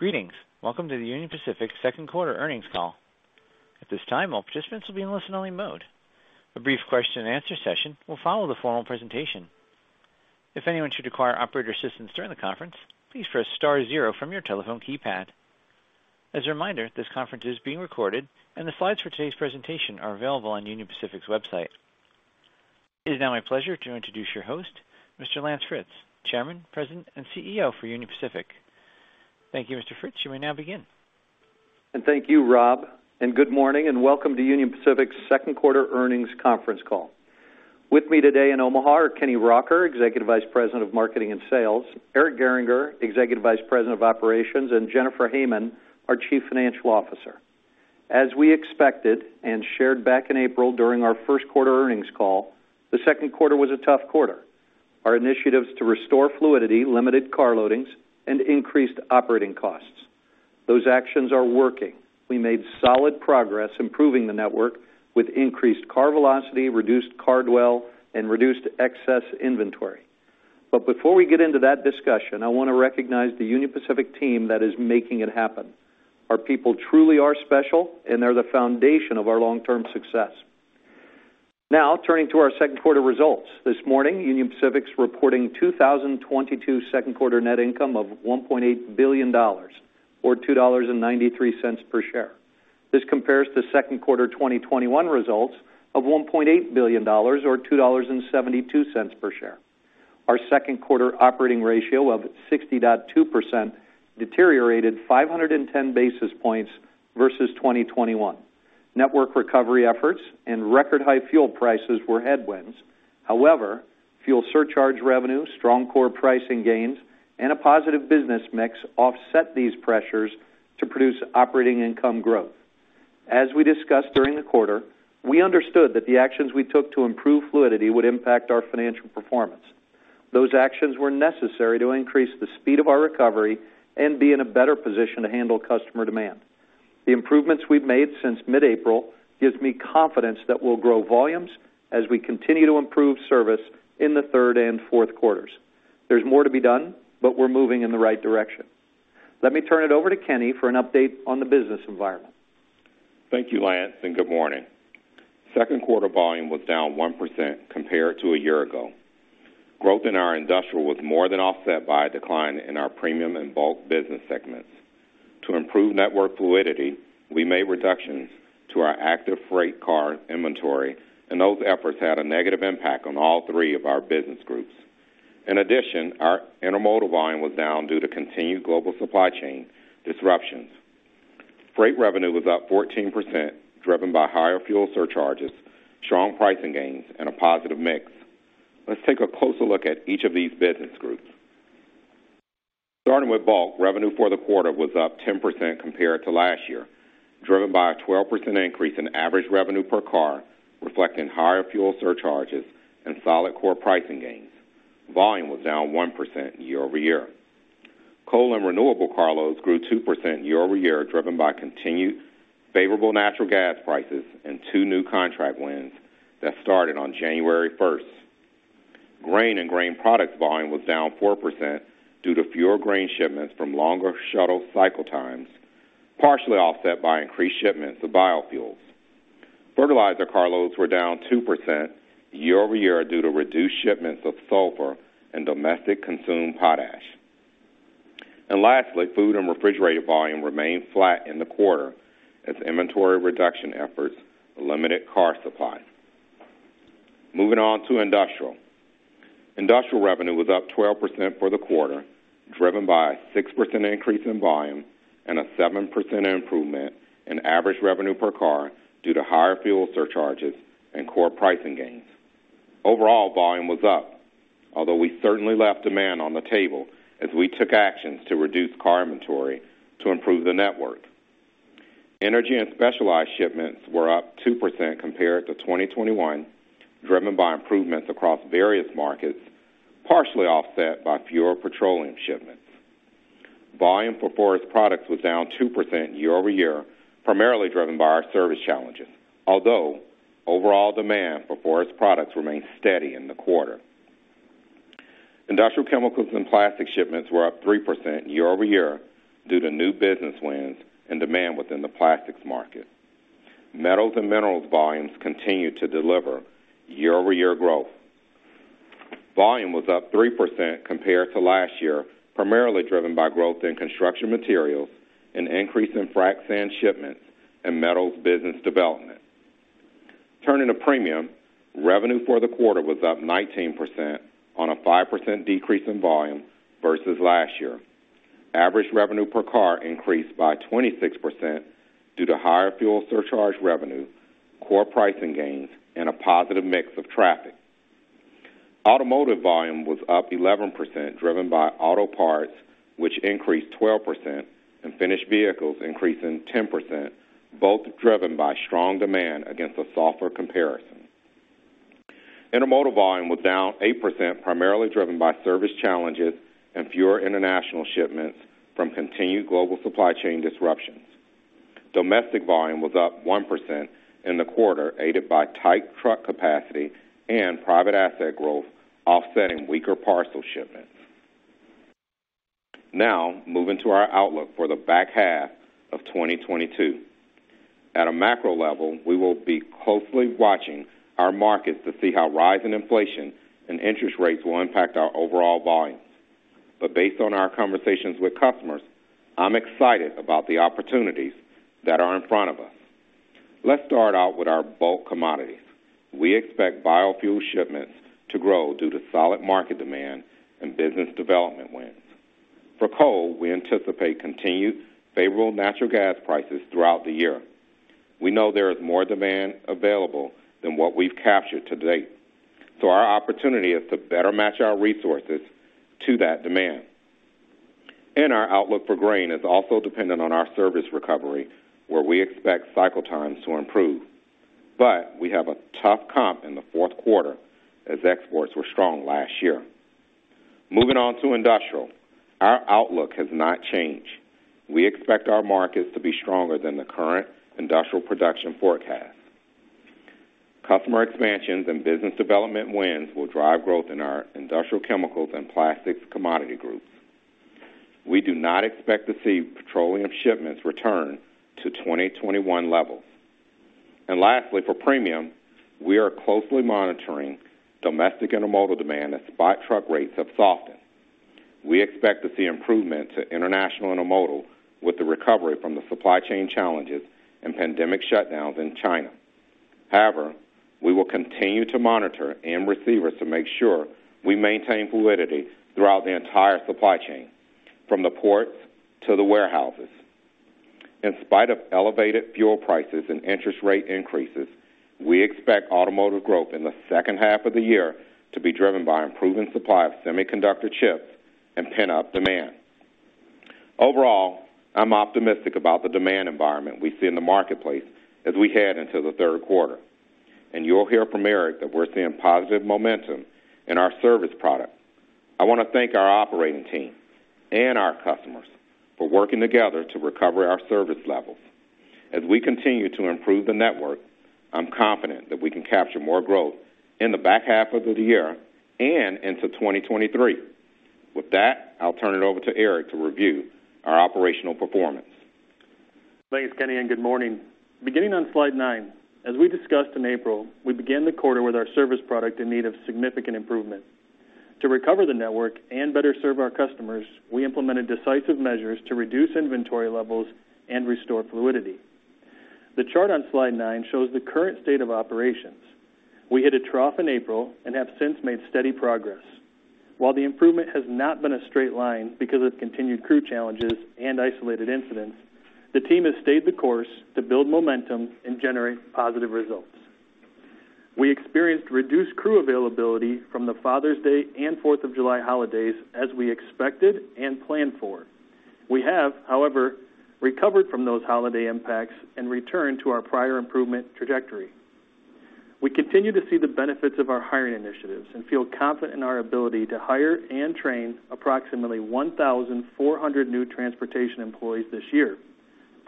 Greetings. Welcome to the Union Pacific second quarter earnings call. At this time, all participants will be in listen-only mode. A brief question-and-answer session will follow the formal presentation. If anyone should require operator assistance during the conference, please press star zero from your telephone keypad. As a reminder, this conference is being recorded and the slides for today's presentation are available on Union Pacific's website. It is now my pleasure to introduce your host, Mr. Lance Fritz, Chairman, President, and CEO for Union Pacific. Thank you, Mr. Fritz. You may now begin. Thank you, Rob, and good morning and welcome to Union Pacific's second quarter earnings conference call. With me today in Omaha are Kenny Rocker, Executive Vice President of Marketing and Sales, Eric Gehringer, Executive Vice President of Operations, and Jennifer Hamann, our Chief Financial Officer. As we expected and shared back in April during our first quarter earnings call, the second quarter was a tough quarter. Our initiatives to restore fluidity, limited car loadings, and increased operating costs. Those actions are working. We made solid progress improving the network with increased car velocity, reduced car dwell, and reduced excess inventory. Before we get into that discussion, I wanna recognize the Union Pacific team that is making it happen. Our people truly are special, and they're the foundation of our long-term success. Now turning to our second quarter results. This morning, Union Pacific's reporting 2022 second quarter net income of $1.8 billion or $2.93 per share. This compares to second quarter 2021 results of $1.8 billion or $2.72 per share. Our second quarter operating ratio of 60.2% deteriorated 510 basis points versus 2021. Network recovery efforts and record high fuel prices were headwinds. However, fuel surcharge revenue, strong core pricing gains, and a positive business mix offset these pressures to produce operating income growth. As we discussed during the quarter, we understood that the actions we took to improve fluidity would impact our financial performance. Those actions were necessary to increase the speed of our recovery and be in a better position to handle customer demand. The improvements we've made since mid-April gives me confidence that we'll grow volumes as we continue to improve service in the third and fourth quarters. There's more to be done, but we're moving in the right direction. Let me turn it over to Kenny for an update on the business environment. Thank you, Lance, and good morning. Second quarter volume was down 1% compared to a year ago. Growth in our industrial was more than offset by a decline in our premium and bulk business segments. To improve network fluidity, we made reductions to our active freight car inventory, and those efforts had a negative impact on all three of our business groups. In addition, our intermodal volume was down due to continued global supply chain disruptions. Freight revenue was up 14%, driven by higher fuel surcharges, strong pricing gains, and a positive mix. Let's take a closer look at each of these business groups. Starting with bulk, revenue for the quarter was up 10% compared to last year, driven by a 12% increase in average revenue per car, reflecting higher fuel surcharges and solid core pricing gains. Volume was down 1% year-over-year. Coal and renewable car loads grew 2% year-over-year, driven by continued favorable natural gas prices and two new contract wins that started on January 1st. Grain and grain products volume was down 4% due to fewer grain shipments from longer shuttle cycle times, partially offset by increased shipments of biofuels. Fertilizer car loads were down 2% year-over-year due to reduced shipments of sulfur and domestic consumed potash. Lastly, food and refrigerator volume remained flat in the quarter as inventory reduction efforts limited car supply. Moving on to industrial. Industrial revenue was up 12% for the quarter, driven by a 6% increase in volume and a 7% improvement in average revenue per car due to higher fuel surcharges and core pricing gains. Overall volume was up, although we certainly left demand on the table as we took actions to reduce car inventory to improve the network. Energy and specialized shipments were up 2% compared to 2021, driven by improvements across various markets, partially offset by fewer petroleum shipments. Volume for forest products was down 2% year-over-year, primarily driven by our service challenges, although overall demand for forest products remained steady in the quarter. Industrial chemicals and plastics shipments were up 3% year-over-year due to new business wins and demand within the plastics market. Metals and minerals volumes continued to deliver year-over-year growth. Volume was up 3% compared to last year, primarily driven by growth in construction materials, an increase in frac sand shipments, and metals business development. Turning to premium, revenue for the quarter was up 19% on a 5% decrease in volume versus last year. Average revenue per car increased by 26% due to higher fuel surcharge revenue, core pricing gains, and a positive mix of traffic. Automotive volume was up 11%, driven by auto parts, which increased 12%, and finished vehicles increasing 10%, both driven by strong demand against a softer comparison. Intermodal volume was down 8%, primarily driven by service challenges and fewer international shipments from continued global supply chain disruption. Domestic volume was up 1% in the quarter, aided by tight truck capacity and private asset growth offsetting weaker parcel shipments. Now moving to our outlook for the back half of 2022. At a macro level, we will be closely watching our markets to see how rising inflation and interest rates will impact our overall volumes. Based on our conversations with customers, I'm excited about the opportunities that are in front of us. Let's start out with our bulk commodities. We expect biofuel shipments to grow due to solid market demand and business development wins. For coal, we anticipate continued favorable natural gas prices throughout the year. We know there is more demand available than what we've captured to date, so our opportunity is to better match our resources to that demand. Our outlook for grain is also dependent on our service recovery, where we expect cycle times to improve. We have a tough comp in the fourth quarter as exports were strong last year. Moving on to industrial, our outlook has not changed. We expect our markets to be stronger than the current industrial production forecast. Customer expansions and business development wins will drive growth in our industrial chemicals and plastics commodity groups. We do not expect to see petroleum shipments return to 2021 levels. Lastly, for premium, we are closely monitoring domestic intermodal demand as spot truck rates have softened. We expect to see improvement to international intermodal with the recovery from the supply chain challenges and pandemic shutdowns in China. However, we will continue to monitor and relieve it to make sure we maintain fluidity throughout the entire supply chain, from the ports to the warehouses. In spite of elevated fuel prices and interest rate increases, we expect automotive growth in the second half of the year to be driven by improving supply of semiconductor chips and pent-up demand. Overall, I'm optimistic about the demand environment we see in the marketplace as we head into the third quarter, and you'll hear from Eric that we're seeing positive momentum in our service product. I want to thank our operating team and our customers for working together to recover our service levels. As we continue to improve the network, I'm confident that we can capture more growth in the back half of the year and into 2023. With that, I'll turn it over to Eric to review our operational performance. Thanks, Kenny, and good morning. Beginning on slide nine, as we discussed in April, we began the quarter with our service product in need of significant improvement. To recover the network and better serve our customers, we implemented decisive measures to reduce inventory levels and restore fluidity. The chart on slide nine shows the current state of operations. We hit a trough in April and have since made steady progress. While the improvement has not been a straight line because of continued crew challenges and isolated incidents, the team has stayed the course to build momentum and generate positive results. We experienced reduced crew availability from the Father's Day and Fourth of July holidays, as we expected and planned for. We have, however, recovered from those holiday impacts and returned to our prior improvement trajectory. We continue to see the benefits of our hiring initiatives and feel confident in our ability to hire and train approximately 1,400 new transportation employees this year.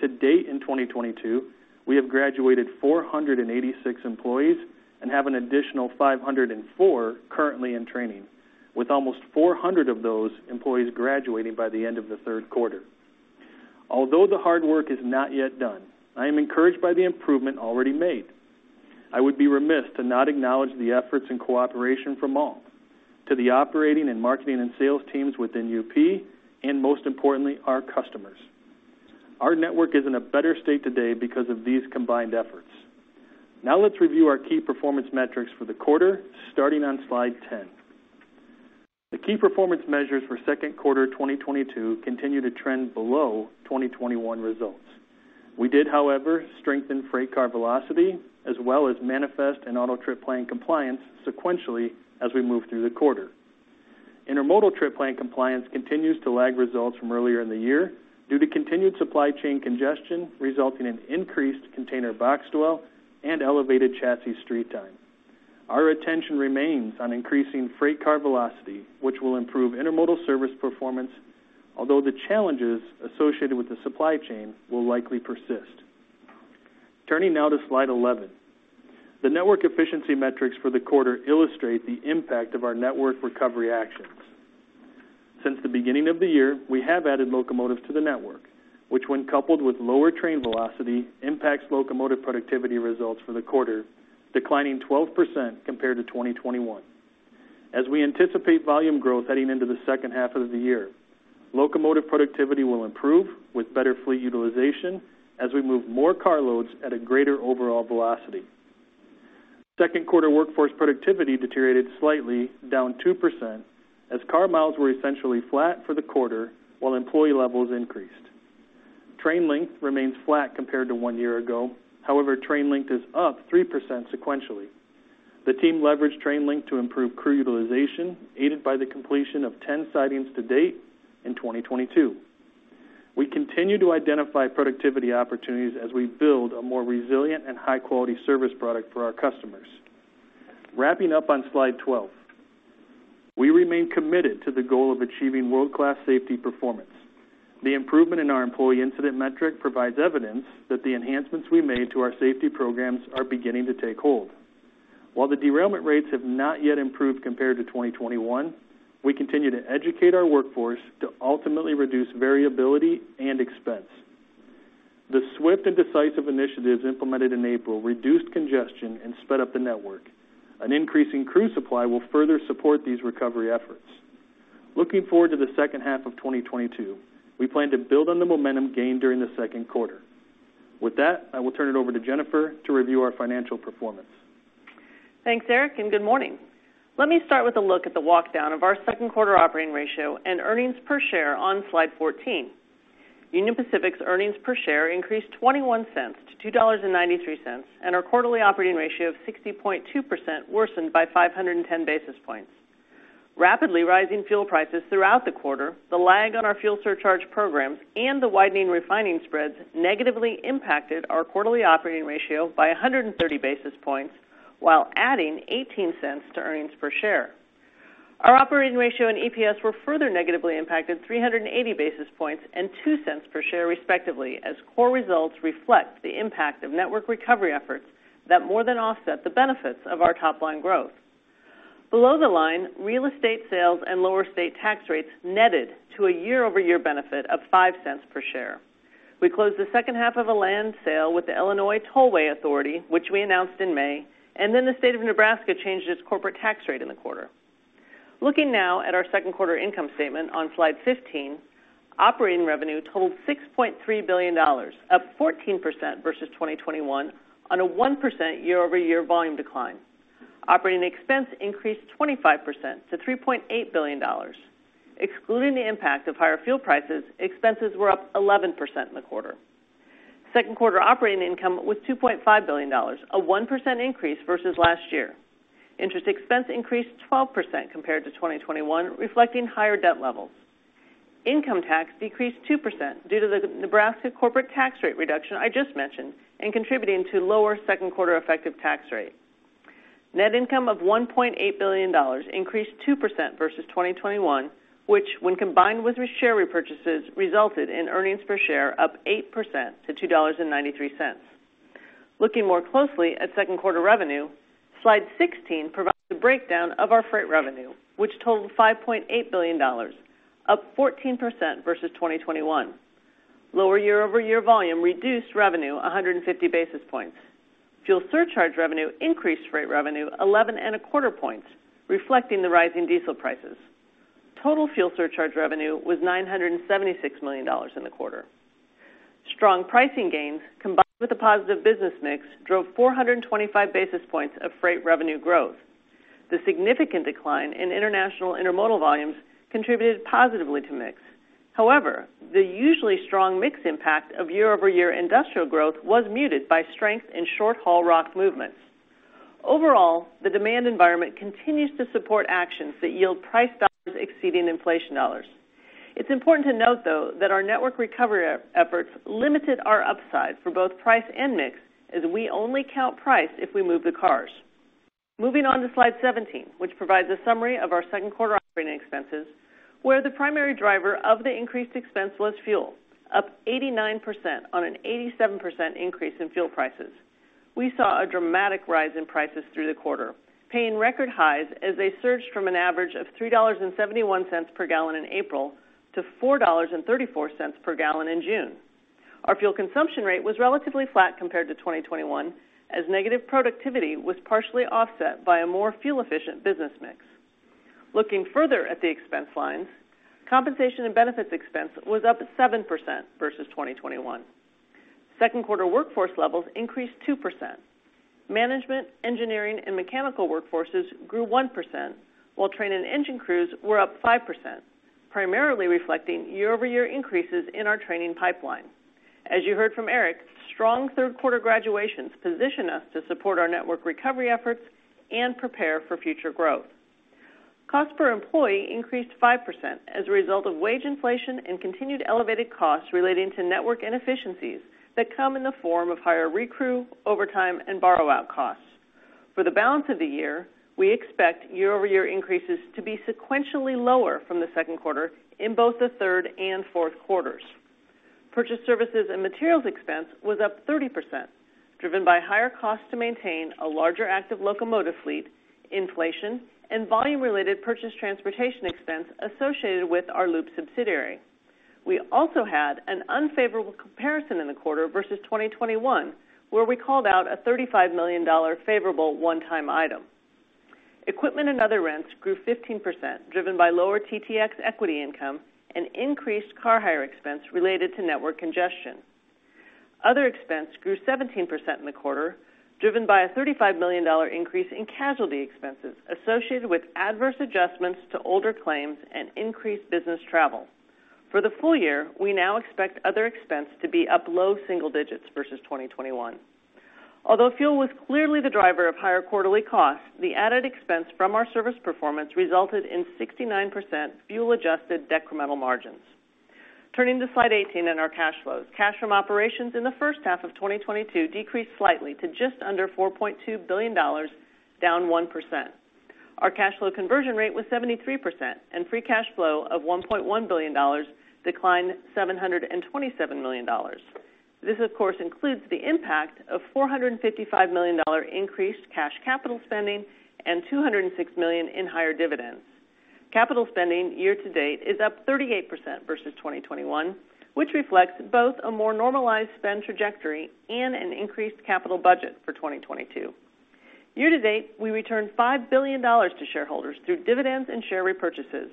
To date, in 2022, we have graduated 486 employees and have an additional 504 currently in training, with almost 400 of those employees graduating by the end of the third quarter. Although the hard work is not yet done, I am encouraged by the improvement already made. I would be remiss to not acknowledge the efforts and cooperation from all, to the operating and marketing and sales teams within UP and, most importantly, our customers. Our network is in a better state today because of these combined efforts. Now let's review our key performance metrics for the quarter, starting on slide 10. The key performance measures for second quarter 2022 continue to trend below 2021 results. We did, however, strengthen freight car velocity as well as manifest and auto trip plan compliance sequentially as we moved through the quarter. Intermodal trip plan compliance continues to lag results from earlier in the year due to continued supply chain congestion, resulting in increased container box dwell and elevated chassis street time. Our attention remains on increasing freight car velocity, which will improve intermodal service performance, although the challenges associated with the supply chain will likely persist. Turning now to slide 11, the network efficiency metrics for the quarter illustrate the impact of our network recovery actions. Since the beginning of the year, we have added locomotives to the network, which, when coupled with lower train velocity, impacts locomotive productivity results for the quarter, declining 12% compared to 2021. As we anticipate volume growth heading into the second half of the year, locomotive productivity will improve with better fleet utilization as we move more car loads at a greater overall velocity. Second quarter workforce productivity deteriorated slightly, down 2%, as car miles were essentially flat for the quarter while employee levels increased. Train length remains flat compared to one year ago. However, train length is up 3% sequentially. The team leveraged train length to improve crew utilization, aided by the completion of 10 sidings to date in 2022. We continue to identify productivity opportunities as we build a more resilient and high-quality service product for our customers. Wrapping up on slide 12. We remain committed to the goal of achieving world-class safety performance. The improvement in our employee incident metric provides evidence that the enhancements we made to our safety programs are beginning to take hold. While the derailment rates have not yet improved compared to 2021, we continue to educate our workforce to ultimately reduce variability and expense. The swift and decisive initiatives implemented in April reduced congestion and sped up the network. An increase in crew supply will further support these recovery efforts. Looking forward to the second half of 2022, we plan to build on the momentum gained during the second quarter. With that, I will turn it over to Jennifer to review our financial performance. Thanks, Eric, and good morning. Let me start with a look at the walk-down of our second quarter operating ratio and earnings per share on slide 14. Union Pacific's earnings per share increased $0.21-$2.93, and our quarterly operating ratio of 60.2% worsened by 510 basis points. Rapidly rising fuel prices throughout the quarter, the lag on our fuel surcharge programs, and the widening refining spreads negatively impacted our quarterly operating ratio by 130 basis points while adding $0.18 to earnings per share. Our operating ratio and EPS were further negatively impacted 380 basis points and $0.02 per share, respectively, as core results reflect the impact of network recovery efforts that more than offset the benefits of our top-line growth. Below the line, real estate sales and lower state tax rates netted to a year-over-year benefit of $0.05 per share. We closed the second half of a land sale with the Illinois Tollway Authority, which we announced in May, and then the state of Nebraska changed its corporate tax rate in the quarter. Looking now at our second quarter income statement on slide 15, operating revenue totaled $6.3 billion, up 14% versus 2021 on a 1% year-over-year volume decline. Operating expense increased 25% to $3.8 billion. Excluding the impact of higher fuel prices, expenses were up 11% in the quarter. Second quarter operating income was $2.5 billion, a 1% increase versus last year. Interest expense increased 12% compared to 2021, reflecting higher debt levels. Income tax decreased 2% due to the Nebraska corporate tax rate reduction I just mentioned and contributing to lower second quarter effective tax rate. Net income of $1.8 billion increased 2% versus 2021, which, when combined with share repurchases, resulted in earnings per share up 8% to $2.93. Looking more closely at second quarter revenue, slide 16 provides a breakdown of our freight revenue, which totaled $5.8 billion, up 14% versus 2021. Lower year-over-year volume reduced revenue 150 basis points. Fuel surcharge revenue increased freight revenue 11.25 points, reflecting the rise in diesel prices. Total fuel surcharge revenue was $976 million in the quarter. Strong pricing gains, combined with a positive business mix, drove 425 basis points of freight revenue growth. The significant decline in international intermodal volumes contributed positively to mix. However, the usually strong mix impact of year-over-year industrial growth was muted by strength in short-haul rock movements. Overall, the demand environment continues to support actions that yield price dollars exceeding inflation dollars. It's important to note, though, that our network recovery efforts limited our upside for both price and mix, as we only count price if we move the cars. Moving on to slide 17, which provides a summary of our second quarter operating expenses, where the primary driver of the increased expense was fuel, up 89% on an 87% increase in fuel prices. We saw a dramatic rise in prices through the quarter, paying record highs as they surged from an average of $3.71 per gal in April to $4.34 per gal in June. Our fuel consumption rate was relatively flat compared to 2021, as negative productivity was partially offset by a more fuel-efficient business mix. Looking further at the expense lines, compensation and benefits expense was up 7% versus 2021. Second quarter workforce levels increased 2%. Management, engineering, and mechanical workforces grew 1%, while train and engine crews were up 5%, primarily reflecting year-over-year increases in our training pipeline. As you heard from Eric, strong third quarter graduations position us to support our network recovery efforts and prepare for future growth. Cost per employee increased 5% as a result of wage inflation and continued elevated costs relating to network inefficiencies that come in the form of higher recrew, overtime, and borrow-out costs. For the balance of the year, we expect year-over-year increases to be sequentially lower from the second quarter in both the third and fourth quarters. Purchased services and materials expense was up 30%, driven by higher costs to maintain a larger active locomotive fleet, inflation, and volume-related purchased transportation expense associated with our Loup subsidiary. We also had an unfavorable comparison in the quarter versus 2021, where we called out a $35 million favorable one-time item. Equipment and other rents grew 15%, driven by lower TTX equity income and increased car hire expense related to network congestion. Other expense grew 17% in the quarter, driven by a $35 million increase in casualty expenses associated with adverse adjustments to older claims and increased business travel. For the full year, we now expect other expense to be up low single digits versus 2021. Although fuel was clearly the driver of higher quarterly costs, the added expense from our service performance resulted in 69% fuel-adjusted decremental margins. Turning to Slide 18 in our cash flows. Cash from operations in the first half of 2022 decreased slightly to just under $4.2 billion, down 1%. Our cash flow conversion rate was 73% and free cash flow of $1.1 billion declined $727 million. This, of course, includes the impact of $455 million increased cash capital spending and $206 million in higher dividends. Capital spending year-to-date is up 38% versus 2021, which reflects both a more normalized spend trajectory and an increased capital budget for 2022. Year-to-date, we returned $5 billion to shareholders through dividends and share repurchases.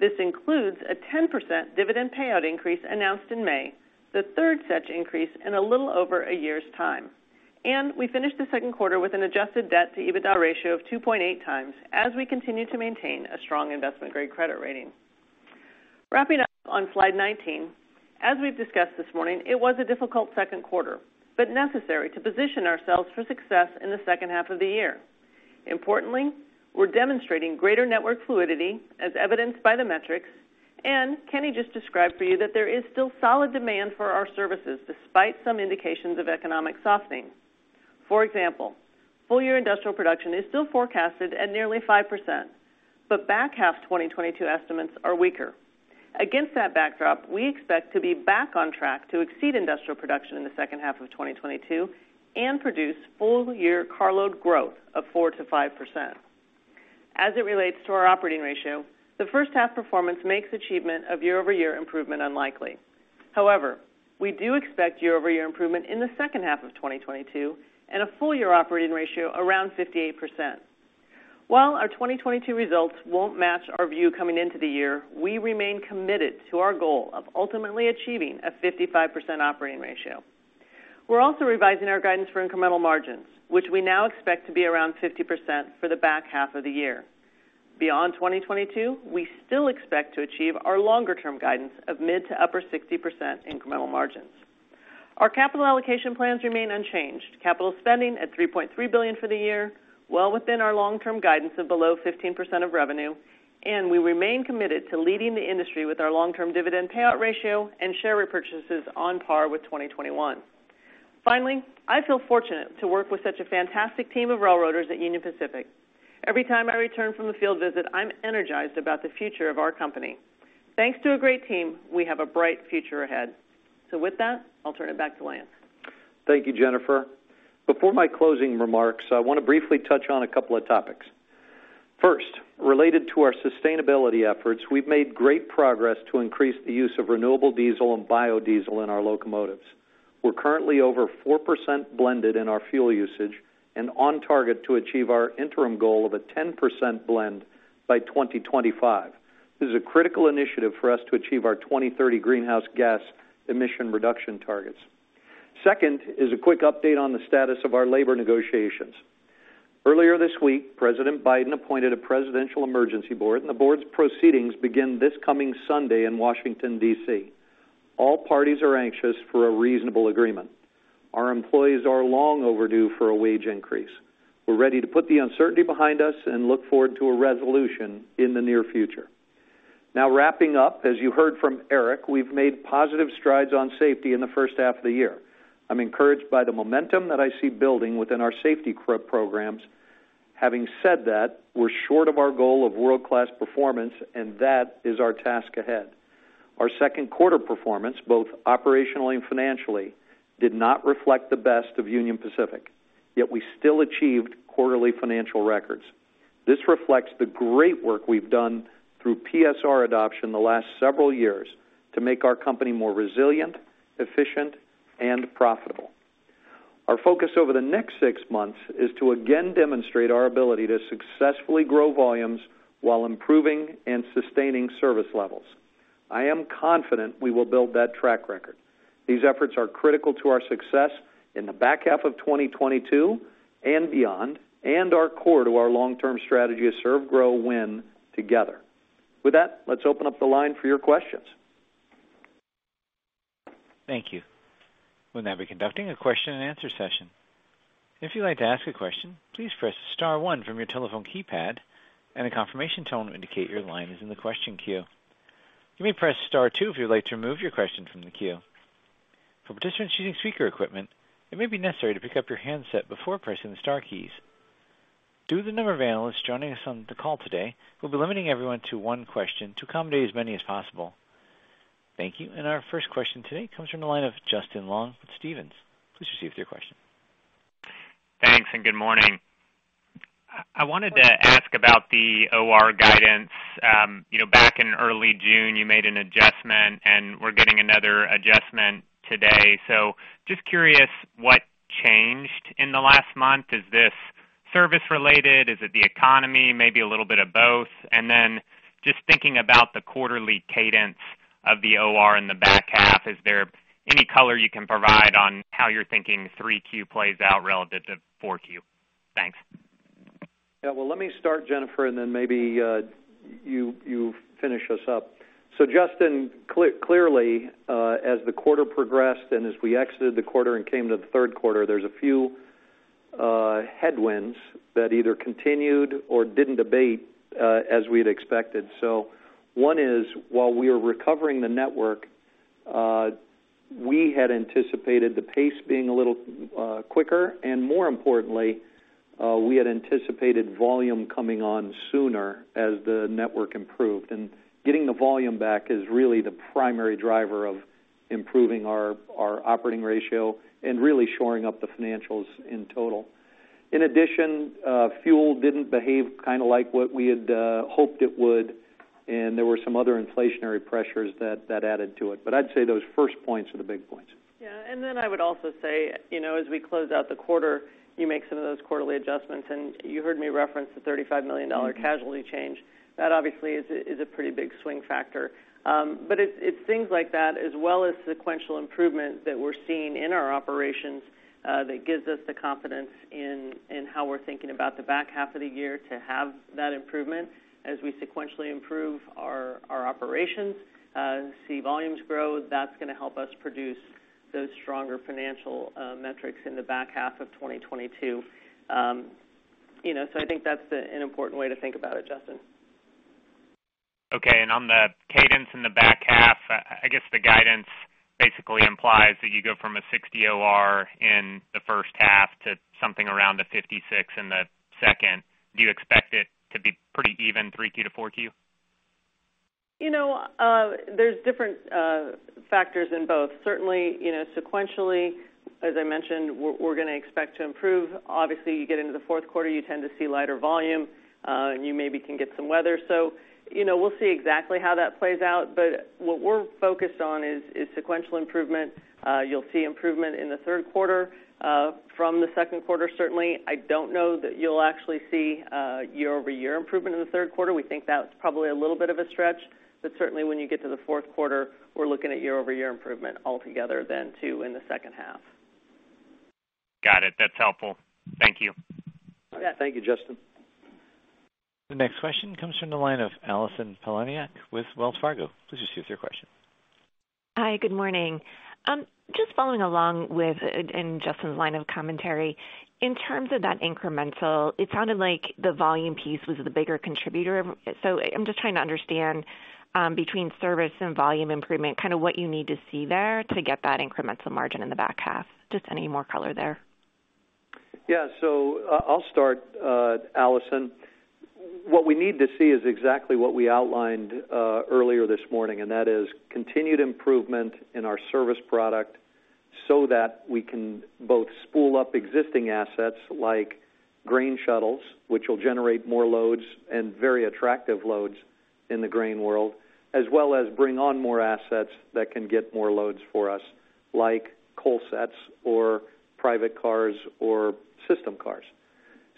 This includes a 10% dividend payout increase announced in May, the third such increase in a little over a year's time. We finished the second quarter with an adjusted debt-to-EBITDA ratio of 2.8x as we continue to maintain a strong investment-grade credit rating. Wrapping up on Slide 19. As we've discussed this morning, it was a difficult second quarter, but necessary to position ourselves for success in the second half of the year. Importantly, we're demonstrating greater network fluidity as evidenced by the metrics, and Kenny just described for you that there is still solid demand for our services despite some indications of economic softening. For example, full-year industrial production is still forecasted at nearly 5%, but back half 2022 estimates are weaker. Against that backdrop, we expect to be back on track to exceed industrial production in the second half of 2022 and produce full year carload growth of 4%-5%. As it relates to our operating ratio, the first half performance makes achievement of year-over-year improvement unlikely. However, we do expect year-over-year improvement in the second half of 2022 and a full year operating ratio around 58%. While our 2022 results won't match our view coming into the year, we remain committed to our goal of ultimately achieving a 55% operating ratio. We're also revising our guidance for incremental margins, which we now expect to be around 50% for the back half of the year. Beyond 2022, we still expect to achieve our longer-term guidance of mid- to upper-60% incremental margins. Our capital allocation plans remain unchanged. Capital spending at $3.3 billion for the year, well within our long-term guidance of below 15% of revenue, and we remain committed to leading the industry with our long-term dividend payout ratio and share repurchases on par with 2021. Finally, I feel fortunate to work with such a fantastic team of railroaders at Union Pacific. Every time I return from the field visit, I'm energized about the future of our company. Thanks to a great team, we have a bright future ahead. With that, I'll turn it back to Lance. Thank you, Jennifer. Before my closing remarks, I want to briefly touch on a couple of topics. First, related to our sustainability efforts, we've made great progress to increase the use of renewable diesel and biodiesel in our locomotives. We're currently over 4% blended in our fuel usage and on target to achieve our interim goal of a 10% blend by 2025. This is a critical initiative for us to achieve our 2030 greenhouse gas emission reduction targets. Second is a quick update on the status of our labor negotiations. Earlier this week, President Biden appointed a Presidential Emergency Board, and the board's proceedings begin this coming Sunday in Washington, D.C. All parties are anxious for a reasonable agreement. Our employees are long overdue for a wage increase. We're ready to put the uncertainty behind us and look forward to a resolution in the near future. Now wrapping up, as you heard from Eric, we've made positive strides on safety in the first half of the year. I'm encouraged by the momentum that I see building within our safety programs. Having said that, we're short of our goal of world-class performance, and that is our task ahead. Our second quarter performance, both operationally and financially, did not reflect the best of Union Pacific, yet we still achieved quarterly financial records. This reflects the great work we've done through PSR adoption the last several years to make our company more resilient, efficient, and profitable. Our focus over the next six months is to again demonstrate our ability to successfully grow volumes while improving and sustaining service levels. I am confident we will build that track record. These efforts are critical to our success in the back half of 2022 and beyond, and are core to our long-term strategy to serve, grow, win together. With that, let's open up the line for your questions. Thank you. We'll now be conducting a question-and-answer session. If you'd like to ask a question, please press star one from your telephone keypad, and a confirmation tone will indicate your line is in the question queue. You may press star two if you'd like to remove your question from the queue. For participants using speaker equipment, it may be necessary to pick up your handset before pressing the star keys. Due to the number of analysts joining us on the call today, we'll be limiting everyone to one question to accommodate as many as possible. Thank you. Our first question today comes from the line of Justin Long with Stephens. Please proceed with your question. Thanks, good morning. I wanted to ask about the OR guidance. You know, back in early June, you made an adjustment and we're getting another adjustment today. Just curious what changed in the last month. Is this service related? Is it the economy? Maybe a little bit of both. Just thinking about the quarterly cadence of the OR in the back half, is there any color you can provide on how you're thinking three Q plays out relative to 4Q? Thanks. Yeah. Well, let me start, Jennifer, and then maybe, you finish us up. Justin, clearly, as the quarter progressed and as we exited the quarter and came to the third quarter, there's a few headwinds that either continued or didn't abate, as we'd expected. One is while we are recovering the network, we had anticipated the pace being a little quicker, and more importantly, we had anticipated volume coming on sooner as the network improved. Getting the volume back is really the primary driver of improving our operating ratio and really shoring up the financials in total. In addition, fuel didn't behave kinda like what we had hoped it would, and there were some other inflationary pressures that added to it. I'd say those first points are the big points. Yeah. Then I would also say, you know, as we close out the quarter, you make some of those quarterly adjustments, and you heard me reference the $35 million casualty change. That obviously is a pretty big swing factor. But it's things like that as well as sequential improvement that we're seeing in our operations that gives us the confidence in how we're thinking about the back half of the year to have that improvement. As we sequentially improve our operations, see volumes grow, that's gonna help us produce those stronger financial metrics in the back half of 2022. You know, so I think that's an important way to think about it, Justin. Okay. On the cadence in the back half, I guess the guidance basically implies that you go from a 60 OR in the first half to something around a 56 in the second. Do you expect it to be pretty even 3Q to 4Q? You know, there's different factors in both. Certainly, you know, sequentially, as I mentioned, we're gonna expect to improve. Obviously, you get into the fourth quarter, you tend to see lighter volume, and you maybe can get some weather. You know, we'll see exactly how that plays out. What we're focused on is sequential improvement. You'll see improvement in the third quarter from the second quarter, certainly. I don't know that you'll actually see a year-over-year improvement in the third quarter. We think that's probably a little bit of a stretch. Certainly when you get to the fourth quarter, we're looking at year-over-year improvement altogether then too in the second half. Got it. That's helpful. Thank you. Yeah. Thank you, Justin. The next question comes from the line of Allison Poliniak with Wells Fargo. Please proceed with your question. Hi. Good morning. Just following along with, in Justin's line of commentary, in terms of that incremental, it sounded like the volume piece was the bigger contributor. I'm just trying to understand, between service and volume improvement, kinda what you need to see there to get that incremental margin in the back half. Just any more color there. Yeah. I'll start, Allison. What we need to see is exactly what we outlined earlier this morning, and that is continued improvement in our service product so that we can both spool up existing assets like grain shuttles, which will generate more loads and very attractive loads in the grain world, as well as bring on more assets that can get more loads for us, like coal sets or private cars or system cars.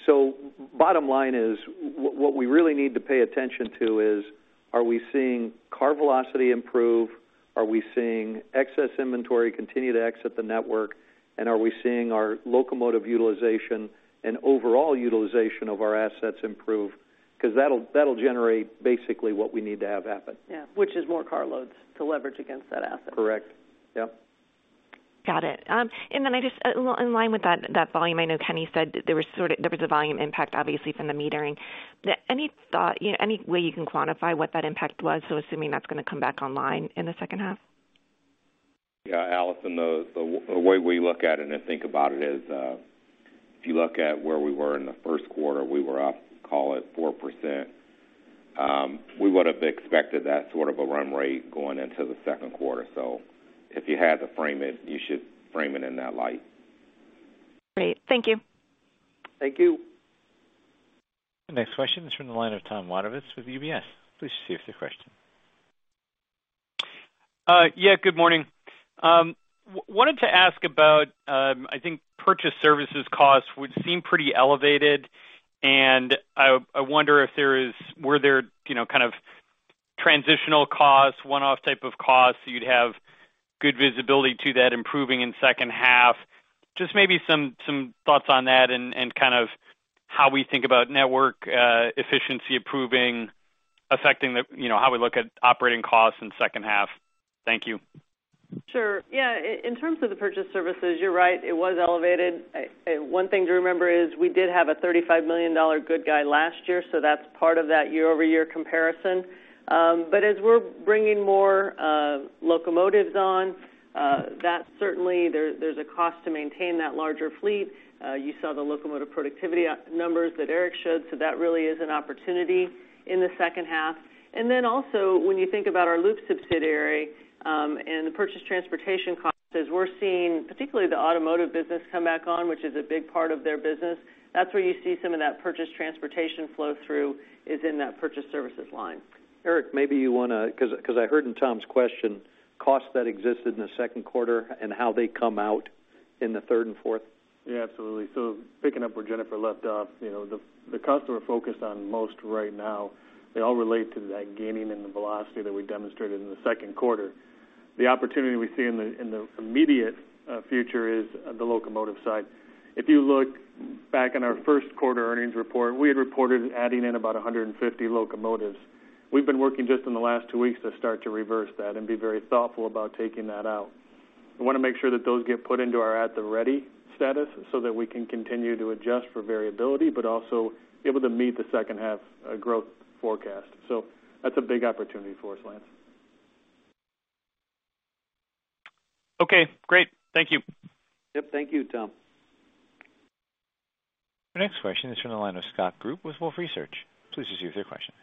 Bottom line is, what we really need to pay attention to is, are we seeing car velocity improve? Are we seeing excess inventory continue to exit the network? And are we seeing our locomotive utilization and overall utilization of our assets improve? 'Cause that'll generate basically what we need to have happen. Yeah, which is more car loads to leverage against that asset. Correct. Yep. Got it. Well, in line with that volume, I know Kenny said there was a volume impact obviously from the metering. Any thought, you know, any way you can quantify what that impact was, so assuming that's gonna come back online in the second half? Yeah, Allison, the way we look at it and think about it is, if you look at where we were in the first quarter, we were up, call it 4%. We would have expected that sort of a run rate going into the second quarter. If you had to frame it, you should frame it in that light. Great. Thank you. Thank you. The next question is from the line of Tom Wadewitz with UBS. Please proceed with your question. Yeah, good morning. Wanted to ask about, I think purchased services costs would seem pretty elevated, and I wonder if there were, you know, kind of transitional costs, one-off type of costs that you'd have good visibility to that improving in second half? Just maybe some thoughts on that and kind of how we think about network efficiency improving, affecting the, you know, how we look at operating costs in second half. Thank you. Sure. Yeah, in terms of the purchased services, you're right, it was elevated. One thing to remember is we did have a $35 million goodwill last year, so that's part of that year-over-year comparison. But as we're bringing more locomotives on, that certainly there's a cost to maintain that larger fleet. You saw the locomotive productivity numbers that Eric showed, so that really is an opportunity in the second half. Then also, when you think about our Loup subsidiary, and the purchased transportation costs, as we're seeing particularly the automotive business come back on, which is a big part of their business, that's where you see some of that purchased transportation flow through is in that purchased services line. Eric, maybe you wanna, 'cause I heard in Tom's question costs that existed in the second quarter and how they come out in the third and fourth. Yeah, absolutely. Picking up where Jennifer left off, you know, the customer focused on most right now, they all relate to that gain in the velocity that we demonstrated in the second quarter. The opportunity we see in the immediate future is the locomotive side. If you look back on our first quarter earnings report, we had reported adding in about 150 locomotives We've been working just in the last two weeks to start to reverse that and be very thoughtful about taking that out. We wanna make sure that those get put into our at-the-ready status so that we can continue to adjust for variability, but also be able to meet the second half, growth forecast. That's a big opportunity for us, Lance. Okay, great. Thank you. Yep. Thank you, Tom. Our next question is from the line of Scott Group with Wolfe Research. Please proceed with your question.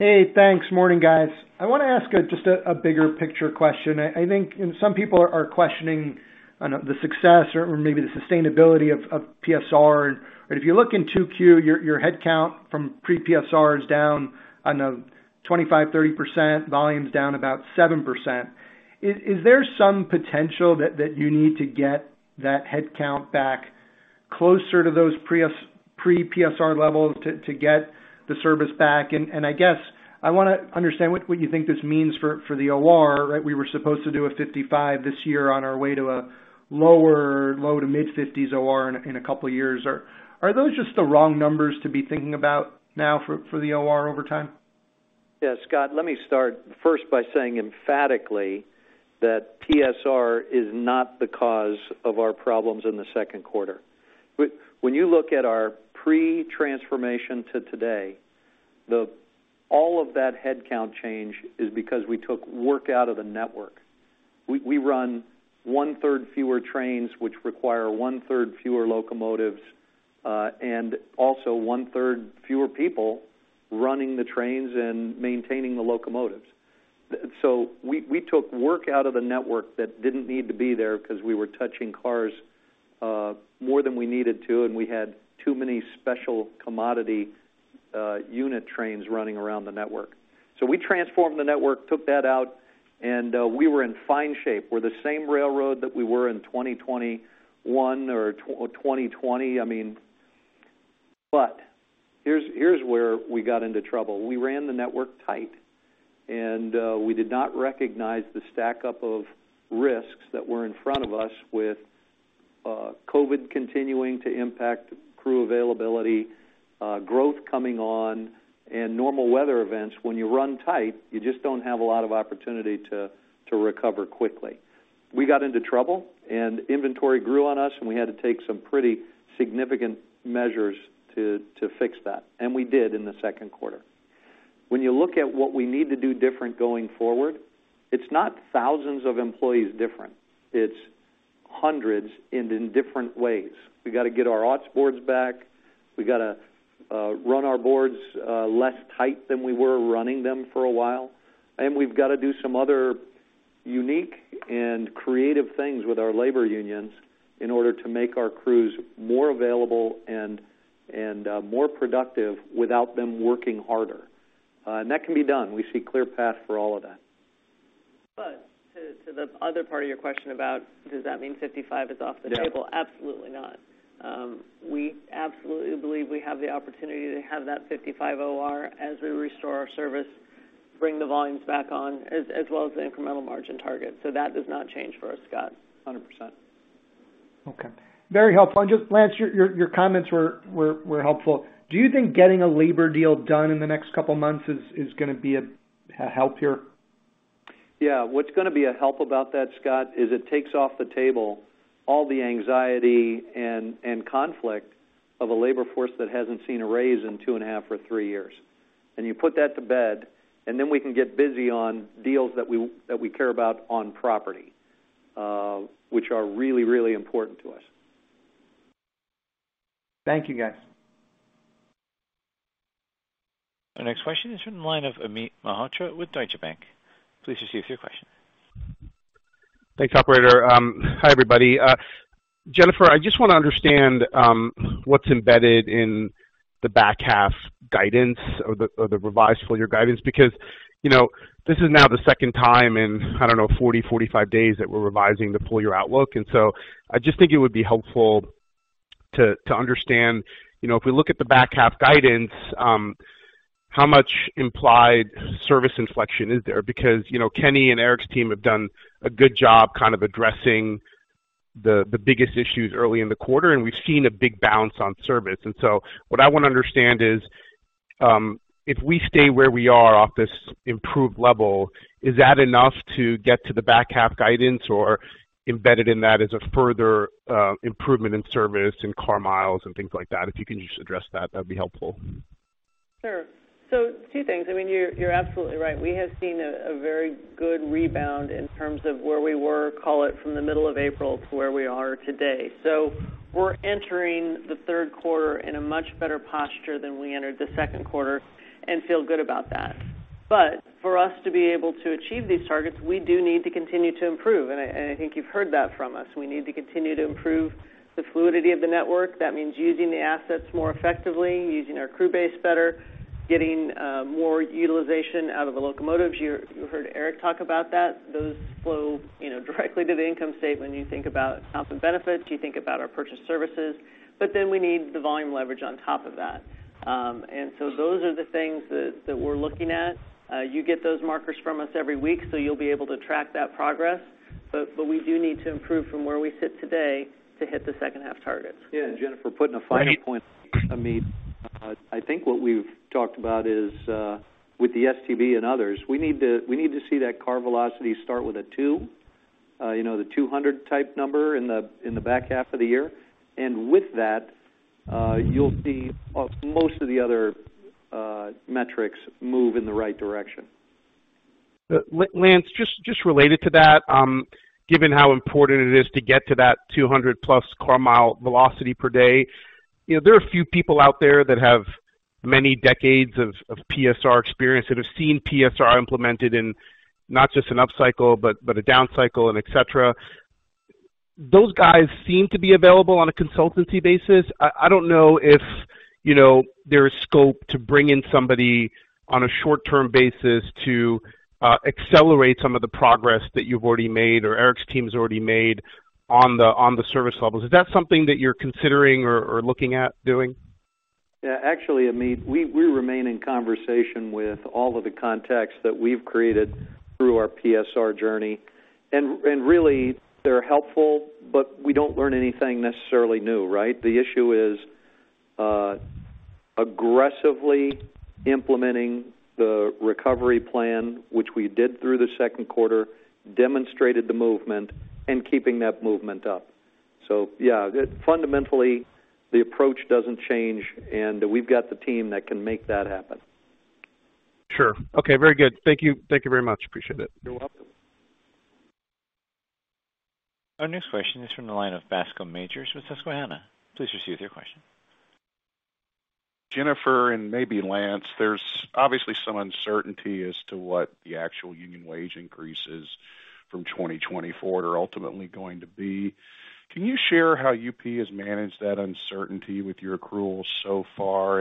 Hey, thanks. Morning, guys. I wanna ask just a bigger picture question. I think some people are questioning on the success or maybe the sustainability of PSR. If you look in 2Q, your headcount from pre-PSR is down, I don't know, 25%-30%, volume's down about 7%. Is there some potential that you need to get that headcount back closer to those pre-PSR levels to get the service back? I guess I wanna understand what you think this means for the OR, right? We were supposed to do a 55% this year on our way to a low- to mid-50s% OR in a couple years. Are those just the wrong numbers to be thinking about now for the OR over time? Yeah, Scott, let me start first by saying emphatically that PSR is not the cause of our problems in the second quarter. We, when you look at our pre-transformation to today, the all of that headcount change is because we took work out of the network. We run 1/3 fewer trains, which require 1/3 fewer locomotives, and also 1/3 fewer people running the trains and maintaining the locomotives. We took work out of the network that didn't need to be there because we were touching cars more than we needed to, and we had too many special commodity unit trains running around the network. We transformed the network, took that out, and we were in fine shape. We're the same railroad that we were in 2021 or 2020, I mean. Here's where we got into trouble. We ran the network tight, and we did not recognize the stackup of risks that were in front of us with COVID continuing to impact crew availability, growth coming on, and normal weather events. When you run tight, you just don't have a lot of opportunity to recover quickly. We got into trouble and inventory grew on us, and we had to take some pretty significant measures to fix that, and we did in the second quarter. When you look at what we need to do different going forward, it's not thousands of employees different. It's hundreds and in different ways. We gotta get our extra boards back. We gotta run our boards less tight than we were running them for a while. We've gotta do some other unique and creative things with our labor unions in order to make our crews more available and more productive without them working harder. That can be done. We see clear path for all of that. To the other part of your question about does that mean 55 is off the table? No. Absolutely not. We absolutely believe we have the opportunity to have that 55 OR as we restore our service, bring the volumes back on, as well as the incremental margin target. That does not change for us, Scott, 100%. Okay. Very helpful. Just Lance, your comments were helpful. Do you think getting a labor deal done in the next couple months is gonna be a help here? Yeah. What's gonna be a help about that, Scott, is it takes off the table all the anxiety and conflict of a labor force that hasn't seen a raise in 2.5 or three years. You put that to bed, and then we can get busy on deals that we care about on property, which are really, really important to us. Thank you, guys. Our next question is from the line of Amit Mehrotra with Deutsche Bank. Please proceed with your question. Thanks, operator. Hi, everybody. Jennifer, I just wanna understand what's embedded in the back half guidance or the revised full year guidance, because, you know, this is now the second time in, I don't know, 40, 45 days that we're revising the full year outlook. I just think it would be helpful to understand, you know, if we look at the back half guidance, how much implied service inflection is there? Because, you know, Kenny and Eric's team have done a good job kind of addressing the biggest issues early in the quarter, and we've seen a big bounce on service. What I wanna understand is, if we stay where we are off this improved level, is that enough to get to the back half guidance or embedded in that is a further improvement in service and car miles and things like that? If you can just address that'd be helpful. Sure. Two things. I mean, you're absolutely right. We have seen a very good rebound in terms of where we were, call it from the middle of April to where we are today. We're entering the third quarter in a much better posture than we entered the second quarter and feel good about that. For us to be able to achieve these targets, we do need to continue to improve, and I think you've heard that from us. We need to continue to improve the fluidity of the network. That means using the assets more effectively, using our crew base better, getting more utilization out of the locomotives. You heard Eric talk about that. Those flow, you know, directly to the income statement when you think about comp and benefits, you think about our purchased services, but then we need the volume leverage on top of that. Those are the things that we're looking at. You get those markers from us every week, so you'll be able to track that progress. We do need to improve from where we sit today to hit the second half targets. Yeah, Jennifer, putting a finer point, Amit, I think what we've talked about is, with the STB and others, we need to see that car velocity start with a two, you know, the 200-type number in the back half of the year. With that, you'll see most of the other metrics move in the right direction. Lance, just related to that, given how important it is to get to that 200+ car velocity per day, you know, there are a few people out there that have many decades of PSR experience that have seen PSR implemented in not just an upcycle, but a downcycle and et cetera. Those guys seem to be available on a consultancy basis. I don't know if, you know, there is scope to bring in somebody on a short-term basis to accelerate some of the progress that you've already made or Eric's team's already made on the service levels. Is that something that you're considering or looking at doing? Yeah. Actually, Amit, we remain in conversation with all of the contacts that we've created through our PSR journey. Really, they're helpful, but we don't learn anything necessarily new, right? The issue is, aggressively implementing the recovery plan, which we did through the second quarter, demonstrated the movement and keeping that movement up. Yeah, fundamentally, the approach doesn't change, and we've got the team that can make that happen. Sure. Okay. Very good. Thank you. Thank you very much. Appreciate it. You're welcome. Our next question is from the line of Bascome Majors with Susquehanna. Please proceed with your question. Jennifer and maybe Lance, there's obviously some uncertainty as to what the actual union wage increases from 2024 are ultimately going to be. Can you share how UP has managed that uncertainty with your accruals so far?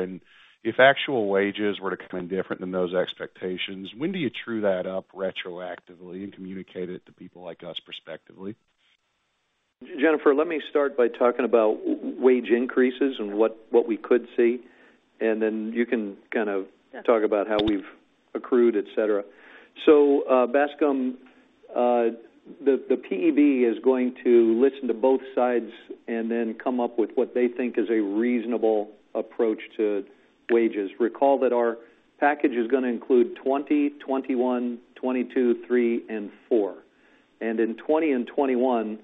If actual wages were to come in different than those expectations, when do you true that up retroactively and communicate it to people like us prospectively? Jennifer, let me start by talking about wage increases and what we could see, and then you can kind of. Yeah. Talk about how we've accrued, et cetera. Bascome, the PEB is going to listen to both sides and then come up with what they think is a reasonable approach to wages. Recall that our package is gonna include 2020, 2021, 2022, 2023 and 2024. In 2020 and 2021,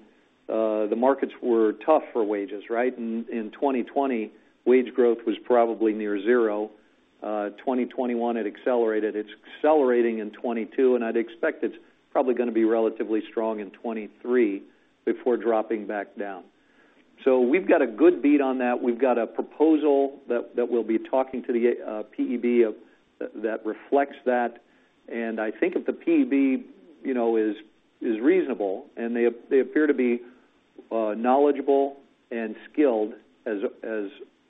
the markets were tough for wages, right? In 2020, wage growth was probably near zero. 2021, it accelerated. It's accelerating in 2022, and I'd expect it's probably gonna be relatively strong in 2023 before dropping back down. We've got a good beat on that. We've got a proposal that we'll be talking to the PEB that reflects that. I think if the PEB, you know, is reasonable, and they appear to be knowledgeable and skilled as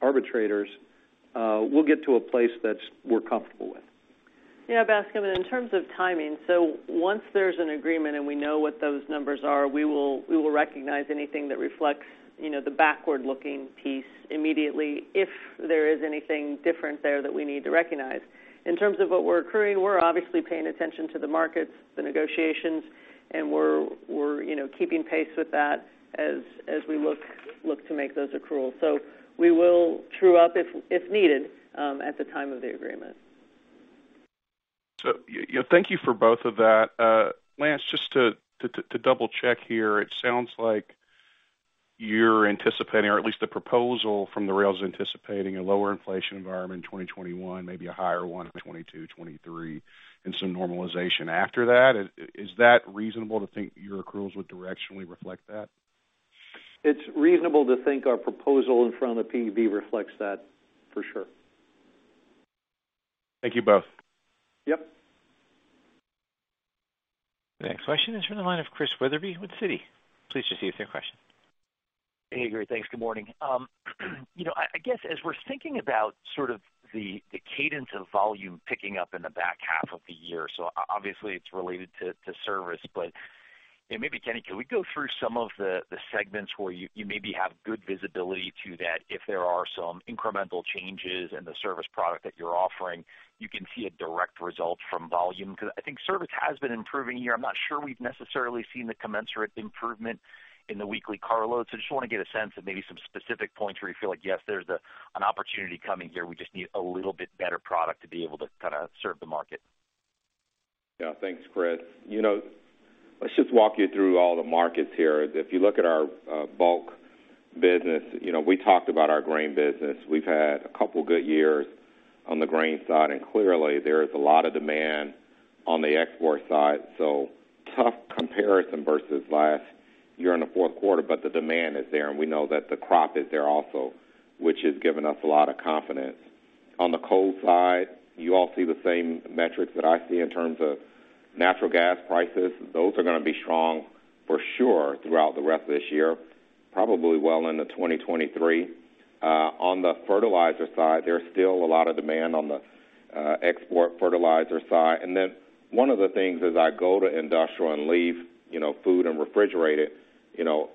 arbitrators, we'll get to a place that's we're comfortable with. Yeah, Bascome, in terms of timing, once there's an agreement and we know what those numbers are, we will recognize anything that reflects, you know, the backward-looking piece immediately if there is anything different there that we need to recognize. In terms of what we're accruing, we're obviously paying attention to the markets, the negotiations, and we're, you know, keeping pace with that as we look to make those accruals. We will true up if needed at the time of the agreement. You know, thank you for both of that. Lance, just to double-check here, it sounds like you're anticipating or at least the proposal from the railroads is anticipating a lower inflation environment in 2021, maybe a higher one in 2022, 2023, and some normalization after that. Is that reasonable to think your accruals would directionally reflect that? It's reasonable to think our proposal in front of the PEB reflects that for sure. Thank you both. Yep. The next question is from the line of Chris Wetherbee with Citi. Please proceed with your question. Hey, great. Thanks. Good morning. You know, I guess as we're thinking about sort of the cadence of volume picking up in the back half of the year, obviously it's related to service. Maybe Kenny, can we go through some of the segments where you maybe have good visibility to that if there are some incremental changes in the service product that you're offering, you can see a direct result from volume? 'Cause I think service has been improving here. I'm not sure we've necessarily seen the commensurate improvement in the weekly carloads. I just wanna get a sense of maybe some specific points where you feel like, yes, there's an opportunity coming here. We just need a little bit better product to be able to kinda serve the market. Yeah. Thanks, Chris. You know, let's just walk you through all the markets here. If you look at our bulk business, you know, we talked about our grain business. We've had a couple good years on the grain side, and clearly there is a lot of demand on the export side. Tough comparison versus last year in the fourth quarter, but the demand is there and we know that the crop is there also, which has given us a lot of confidence. On the coal side, you all see the same metrics that I see in terms of natural gas prices. Those are gonna be strong for sure throughout the rest of this year, probably well into 2023. On the fertilizer side, there's still a lot of demand on the export fertilizer side. One of the things as I go to industrial and leaving, you know, food and refrigerated, you know,